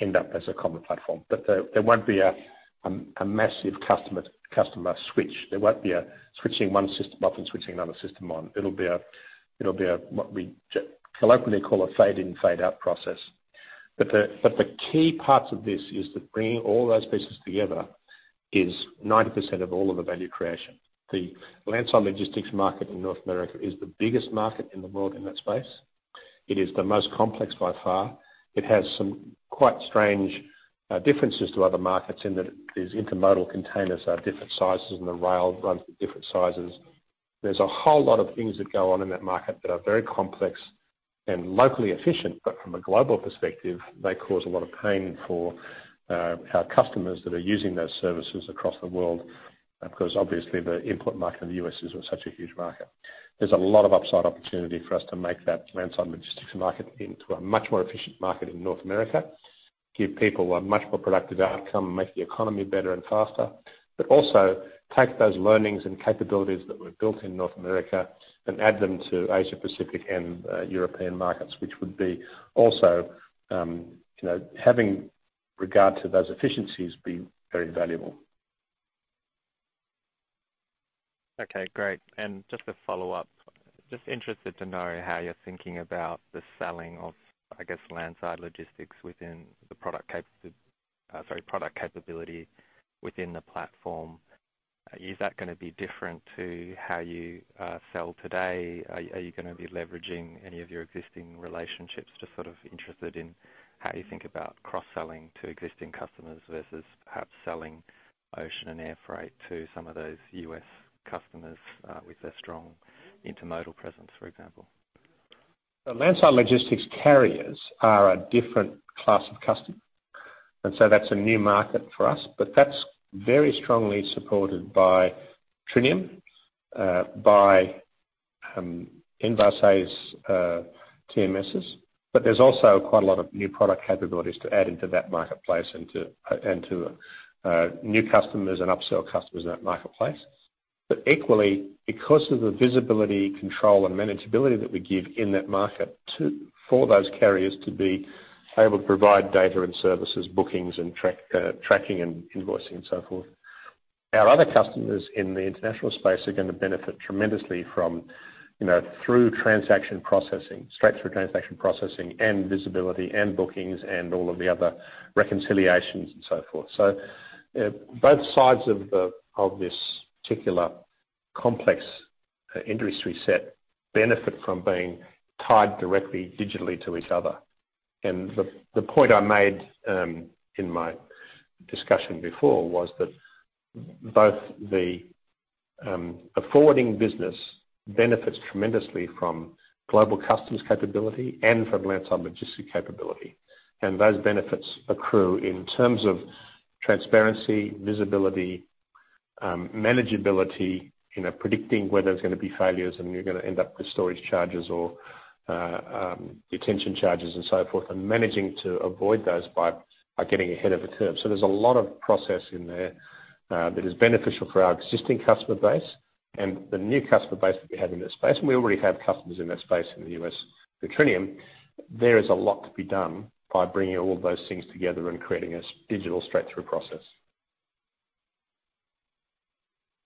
end up as a common platform. There won't be a massive customer switch. There won't be a switching one system off and switching another system on. It'll be a, what we colloquially call a fade in, fade out process. The key parts of this is that bringing all those pieces together is 90% of all of the value creation. The landside logistics market in North America is the biggest market in the world in that space. It is the most complex by far. It has some quite strange differences to other markets in that these intermodal containers are different sizes and the rail runs at different sizes. There's a whole lot of things that go on in that market that are very complex and locally efficient, but from a global perspective, they cause a lot of pain for our customers that are using those services across the world 'cause obviously the input market in the US is such a huge market. There's a lot of upside opportunity for us to make that landside logistics market into a much more efficient market in North America, give people a much more productive outcome, make the economy better and faster. Also take those learnings and capabilities that were built in North America and add them to Asia-Pacific and European markets, which would be also, you know, having regard to those efficiencies, be very valuable. Okay, great. Just to follow up, just interested to know how you're thinking about the selling of, I guess, landside logistics within the product capability within the platform. Is that gonna be different to how you sell today? Are you gonna be leveraging any of your existing relationships? Just sort of interested in how you think about cross-selling to existing customers versus perhaps selling ocean and air freight to some of those US customers, with their strong intermodal presence, for example. The landside logistics carriers are a different class of customer, and so that's a new market for us. That's very strongly supported by Trinium, by Envase TMSs. There's also quite a lot of new product capabilities to add into that marketplace and to new customers and upsell customers in that marketplace. Equally, because of the visibility, control, and manageability that we give in that market to, for those carriers to be able to provide data and services, bookings and tracking and invoicing and so forth. Our other customers in the international space are gonna benefit tremendously from, you know, through transaction processing, straight-through transaction processing and visibility and bookings and all of the other reconciliations and so forth. Both sides of the, of this particular complex industry set benefit from being tied directly digitally to each other. The, the point I made in my discussion before was that both the forwarding business benefits tremendously from global customs capability and from landside logistics capability. Those benefits accrue in terms of transparency, visibility, manageability, you know, predicting whether there's gonna be failures and you're gonna end up with storage charges or detention charges and so forth, and managing to avoid those by getting ahead of the curve. There's a lot of process in there that is beneficial for our existing customer base and the new customer base that we have in that space, and we already have customers in that space in the U.S. through Trinium. There is a lot to be done by bringing all those things together and creating a digital straight-through process.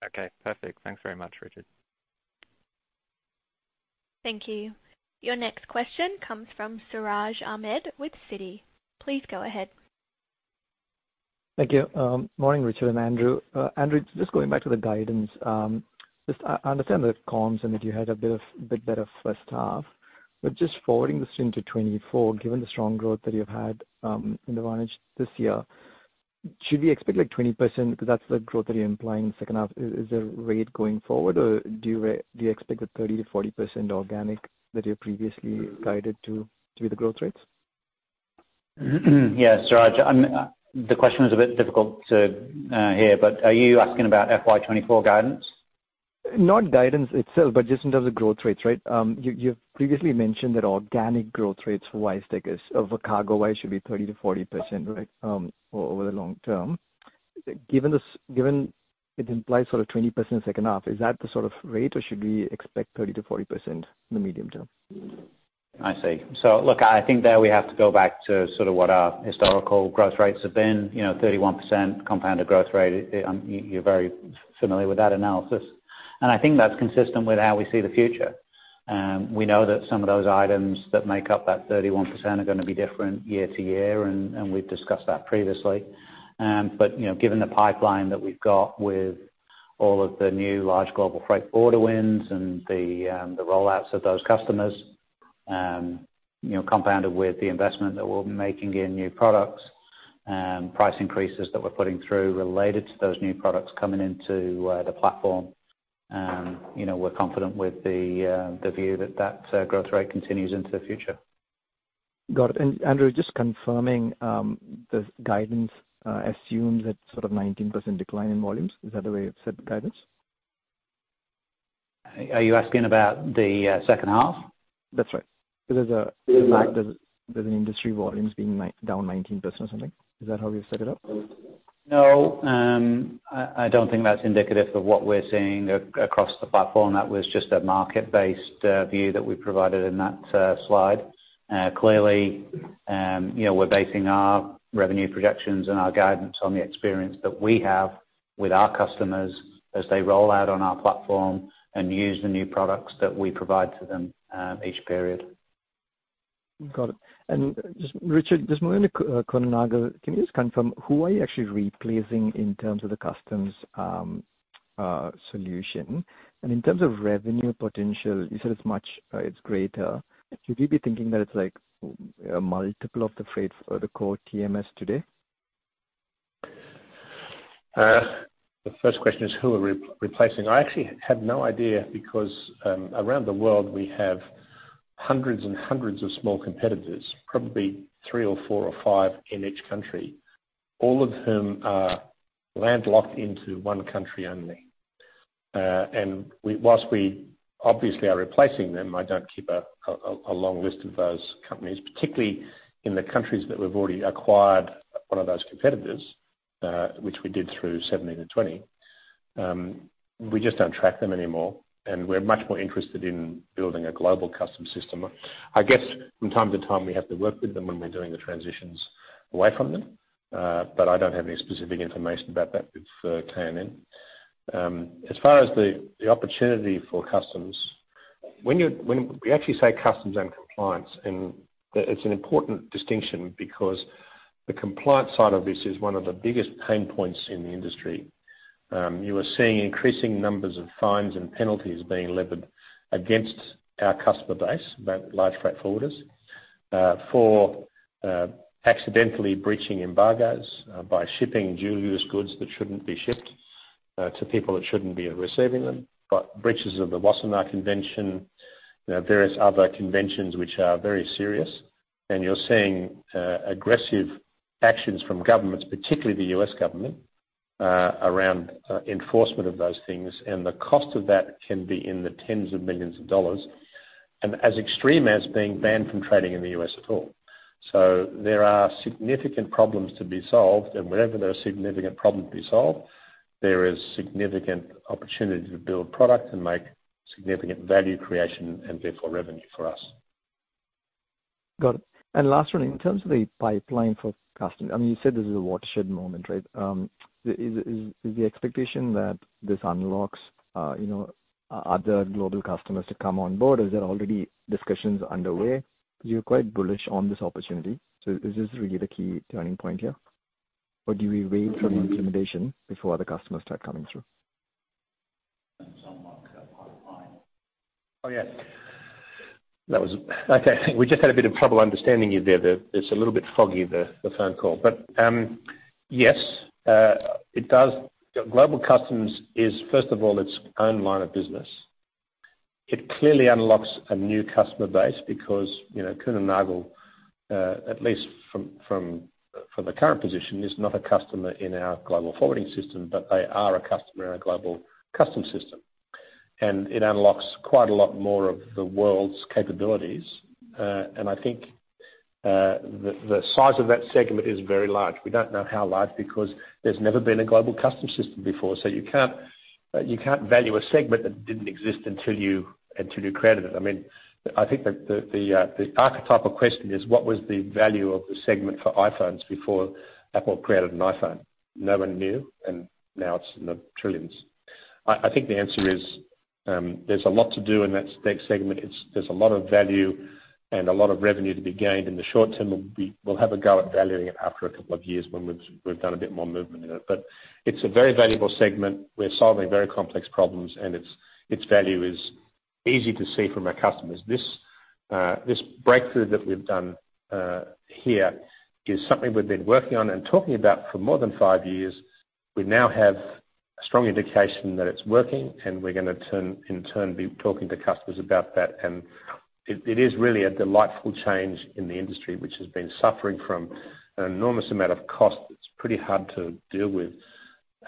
Okay, perfect. Thanks very much, Richard. Thank you. Your next question comes from Siraj Ahmed with Citi. Please go ahead. Thank you. Morning, Richard and Andrew. Andrew, just going back to the guidance, just I understand the comms and that you had a bit better first half, but just forwarding this into 2024, given the strong growth that you've had, in the vantage this year, should we expect like 20%, because that's the growth that you're implying in second half? Is the rate going forward or do you expect the 30%-40% organic that you previously guided to be the growth rates? Yeah, Siraj. The question was a bit difficult to hear, but are you asking about FY 24 guidance? Not guidance itself, but just in terms of growth rates, right? you've previously mentioned that organic growth rates for WiseTech is, or for CargoWise should be 30%-40%, right, over the long term. Given it implies sort of 20% second half, is that the sort of rate or should we expect 30%-40% in the medium term? I see. Look, I think there we have to go back to sort of what our historical growth rates have been. You know, 31% compounded growth rate. You're very familiar with that analysis. I think that's consistent with how we see the future. We know that some of those items that make up that 31% are gonna be different year to year and we've discussed that previously. You know, given the pipeline that we've got with all of the new large global freight forwarder wins and the rollouts of those customers, you know, compounded with the investment that we'll be making in new products, price increases that we're putting through related to those new products coming into the platform, you know, we're confident with the view that that growth rate continues into the future. Got it. Andrew, just confirming, the guidance assumes that sort of 19% decline in volumes. Is that the way you've set the guidance? Are you asking about the second half? That's right. there's There's a- There's an industry volumes being down 19% or something. Is that how we've set it up? No. I don't think that's indicative of what we're seeing across the platform. That was just a market-based view that we provided in that slide. Clearly, you know, we're basing our revenue projections and our guidance on the experience that we have with our customers as they roll out on our platform and use the new products that we provide to them each period. Got it. Richard, just moving to Kühne + Nagel, can you just confirm who are you actually replacing in terms of the customs solution? In terms of revenue potential, you said it's much greater. Should we be thinking that it's like a multiple of the freight or the core TMS today? The first question is who are replacing. I actually have no idea because, around the world, we have hundreds and hundreds of small competitors, probably 3 or 4 or 5 in each country, all of whom are landlocked into one country only. And whilst we obviously are replacing them, I don't keep a long list of those companies, particularly in the countries that we've already acquired one of those competitors, which we did through 2017 to 2020. We just don't track them anymore, and we're much more interested in building a global customs system. I guess from time to time, we have to work with them when we're doing the transitions away from them. But I don't have any specific information about that with KNN. As far as the opportunity for customs, when we actually say customs and compliance, it's an important distinction because the compliance side of this is one of the biggest pain points in the industry. You are seeing increasing numbers of fines and penalties being leveled against our customer base, the large freight forwarders, for accidentally breaching embargoes, by shipping dual-use goods that shouldn't be shipped, to people that shouldn't be receiving them. Breaches of the Wassenaar Convention, you know, various other conventions which are very serious. You're seeing aggressive actions from governments, particularly the U.S. government, around enforcement of those things. The cost of that can be in the tens of millions of dollars and as extreme as being banned from trading in the U.S. at all. There are significant problems to be solved. Wherever there are significant problems to be solved, there is significant opportunity to build product and make significant value creation and therefore revenue for us. Got it. Last one, in terms of the pipeline for custom, I mean, you said this is a watershed moment, right? Is the expectation that this unlocks, you know, other global customers to come on board? Is there already discussions underway? You're quite bullish on this opportunity. Is this really the key turning point here? Or do we wait for the implementation before the customers start coming through? Oh, yeah. That was... Okay. We just had a bit of trouble understanding you there. It's a little bit foggy, the phone call. Yes, it does. Global customs is, first of all, its own line of business. It clearly unlocks a new customer base because, you know, Kühne + Nagel, at least from the current position, is not a customer in our global forwarding system, but they are a customer in our global customs system. It unlocks quite a lot more of the world's capabilities. I think, the size of that segment is very large. We don't know how large because there's never been a global customs system before. You can't value a segment that didn't exist until you created it. I mean, I think the archetypal question is what was the value of the segment for iPhones before Apple created an iPhone? No one knew, and now it's in the trillions. I think the answer is, there's a lot to do in that segment. It's there's a lot of value and a lot of revenue to be gained. In the short term we'll have a go at valuing it after a couple of years when we've done a bit more movement in it. It's a very valuable segment. We're solving very complex problems, and its value is easy to see from our customers. This breakthrough that we've done here is something we've been working on and talking about for more than 5 years. We now have a strong indication that it's working, and we're gonna turn... in turn be talking to customers about that. It is really a delightful change in the industry, which has been suffering from an enormous amount of cost that's pretty hard to deal with,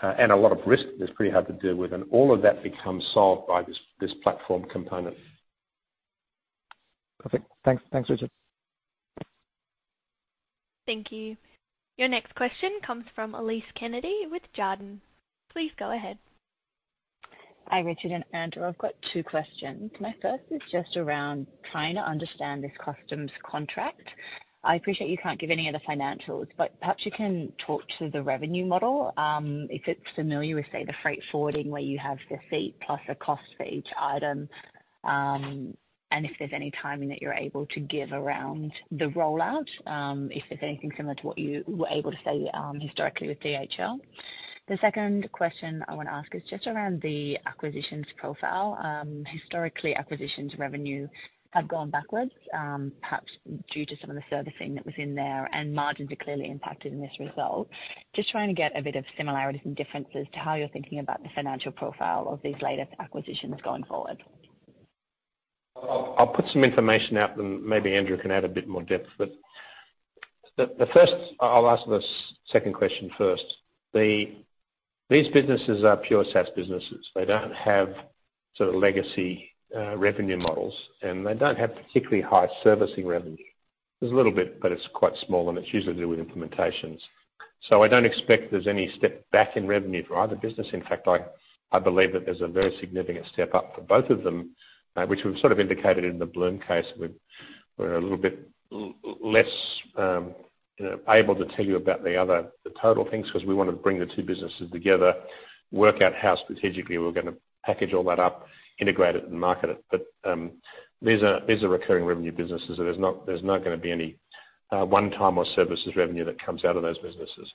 and a lot of risk that's pretty hard to deal with. All of that becomes solved by this platform component. Perfect. Thanks. Thanks, Richard. Thank you. Your next question comes from Elise Kennedy with Jarden. Please go ahead. Hi, Richard and Andrew. I've got two questions. My first is just around trying to understand this customs contract. I appreciate you can't give any of the financials, but perhaps you can talk to the revenue model, if it's familiar with, say, the freight forwarding, where you have the seat plus a cost for each item, and if there's any timing that you're able to give around the rollout, if there's anything similar to what you were able to say, historically with DHL. The second question I wanna ask is just around the acquisitions profile. Historically, acquisitions revenue have gone backwards, perhaps due to some of the servicing that was in there, and margins are clearly impacted in this result. Just trying to get a bit of similarities and differences to how you're thinking about the financial profile of these latest acquisitions going forward. I'll put some information out, and maybe Andrew can add a bit more depth. I'll answer the second question first. These businesses are pure SaaS businesses. They don't have sort of legacy revenue models, and they don't have particularly high servicing revenue. There's a little bit, but it's quite small, and it's usually to do with implementations. I don't expect there's any step back in revenue for either business. In fact, I believe that there's a very significant step up for both of them, which we've sort of indicated in the Blume case. We're a little bit less, you know, able to tell you about the other, the total things, 'cause we wanna bring the two businesses together, work out how strategically we're gonna package all that up, integrate it and market it. These are recurring revenue businesses, so there's not gonna be any one-time or services revenue that comes out of those businesses.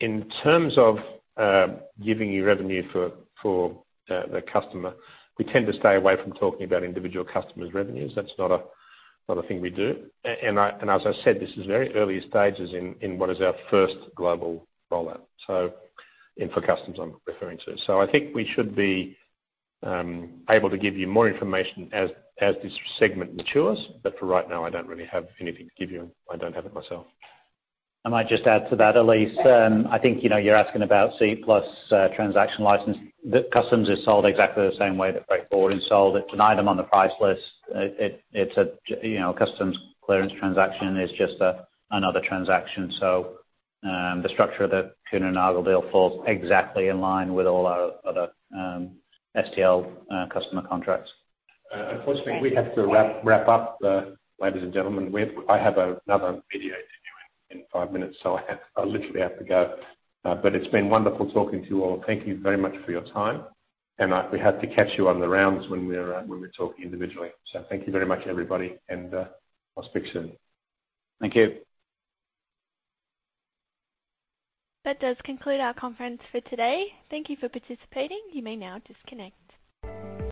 In terms of giving you revenue for the customer, we tend to stay away from talking about individual customers' revenues. That's not a thing we do. As I said, this is very early stages in what is our first global rollout, so, and for customs, I'm referring to. I think we should be able to give you more information as this segment matures, but for right now, I don't really have anything to give you. I don't have it myself. I might just add to that, Elise. I think, you know, you're asking about seat plus, transaction license. The customs is sold exactly the same way that freight board is sold. It's an item on the price list. you know, customs clearance transaction is just a, another transaction. The structure of the Kühne + Nagel deal falls exactly in line with all our other, STL, customer contracts. Unfortunately, we have to wrap up, ladies and gentlemen. I have another video to do in 5 minutes, so I have, I literally have to go. It's been wonderful talking to you all. Thank you very much for your time. We have to catch you on the rounds when we're talking individually. Thank you very much, everybody, and, I'll speak soon. Thank you. That does conclude our conference for today. Thanking you for participating. You may now disconnect.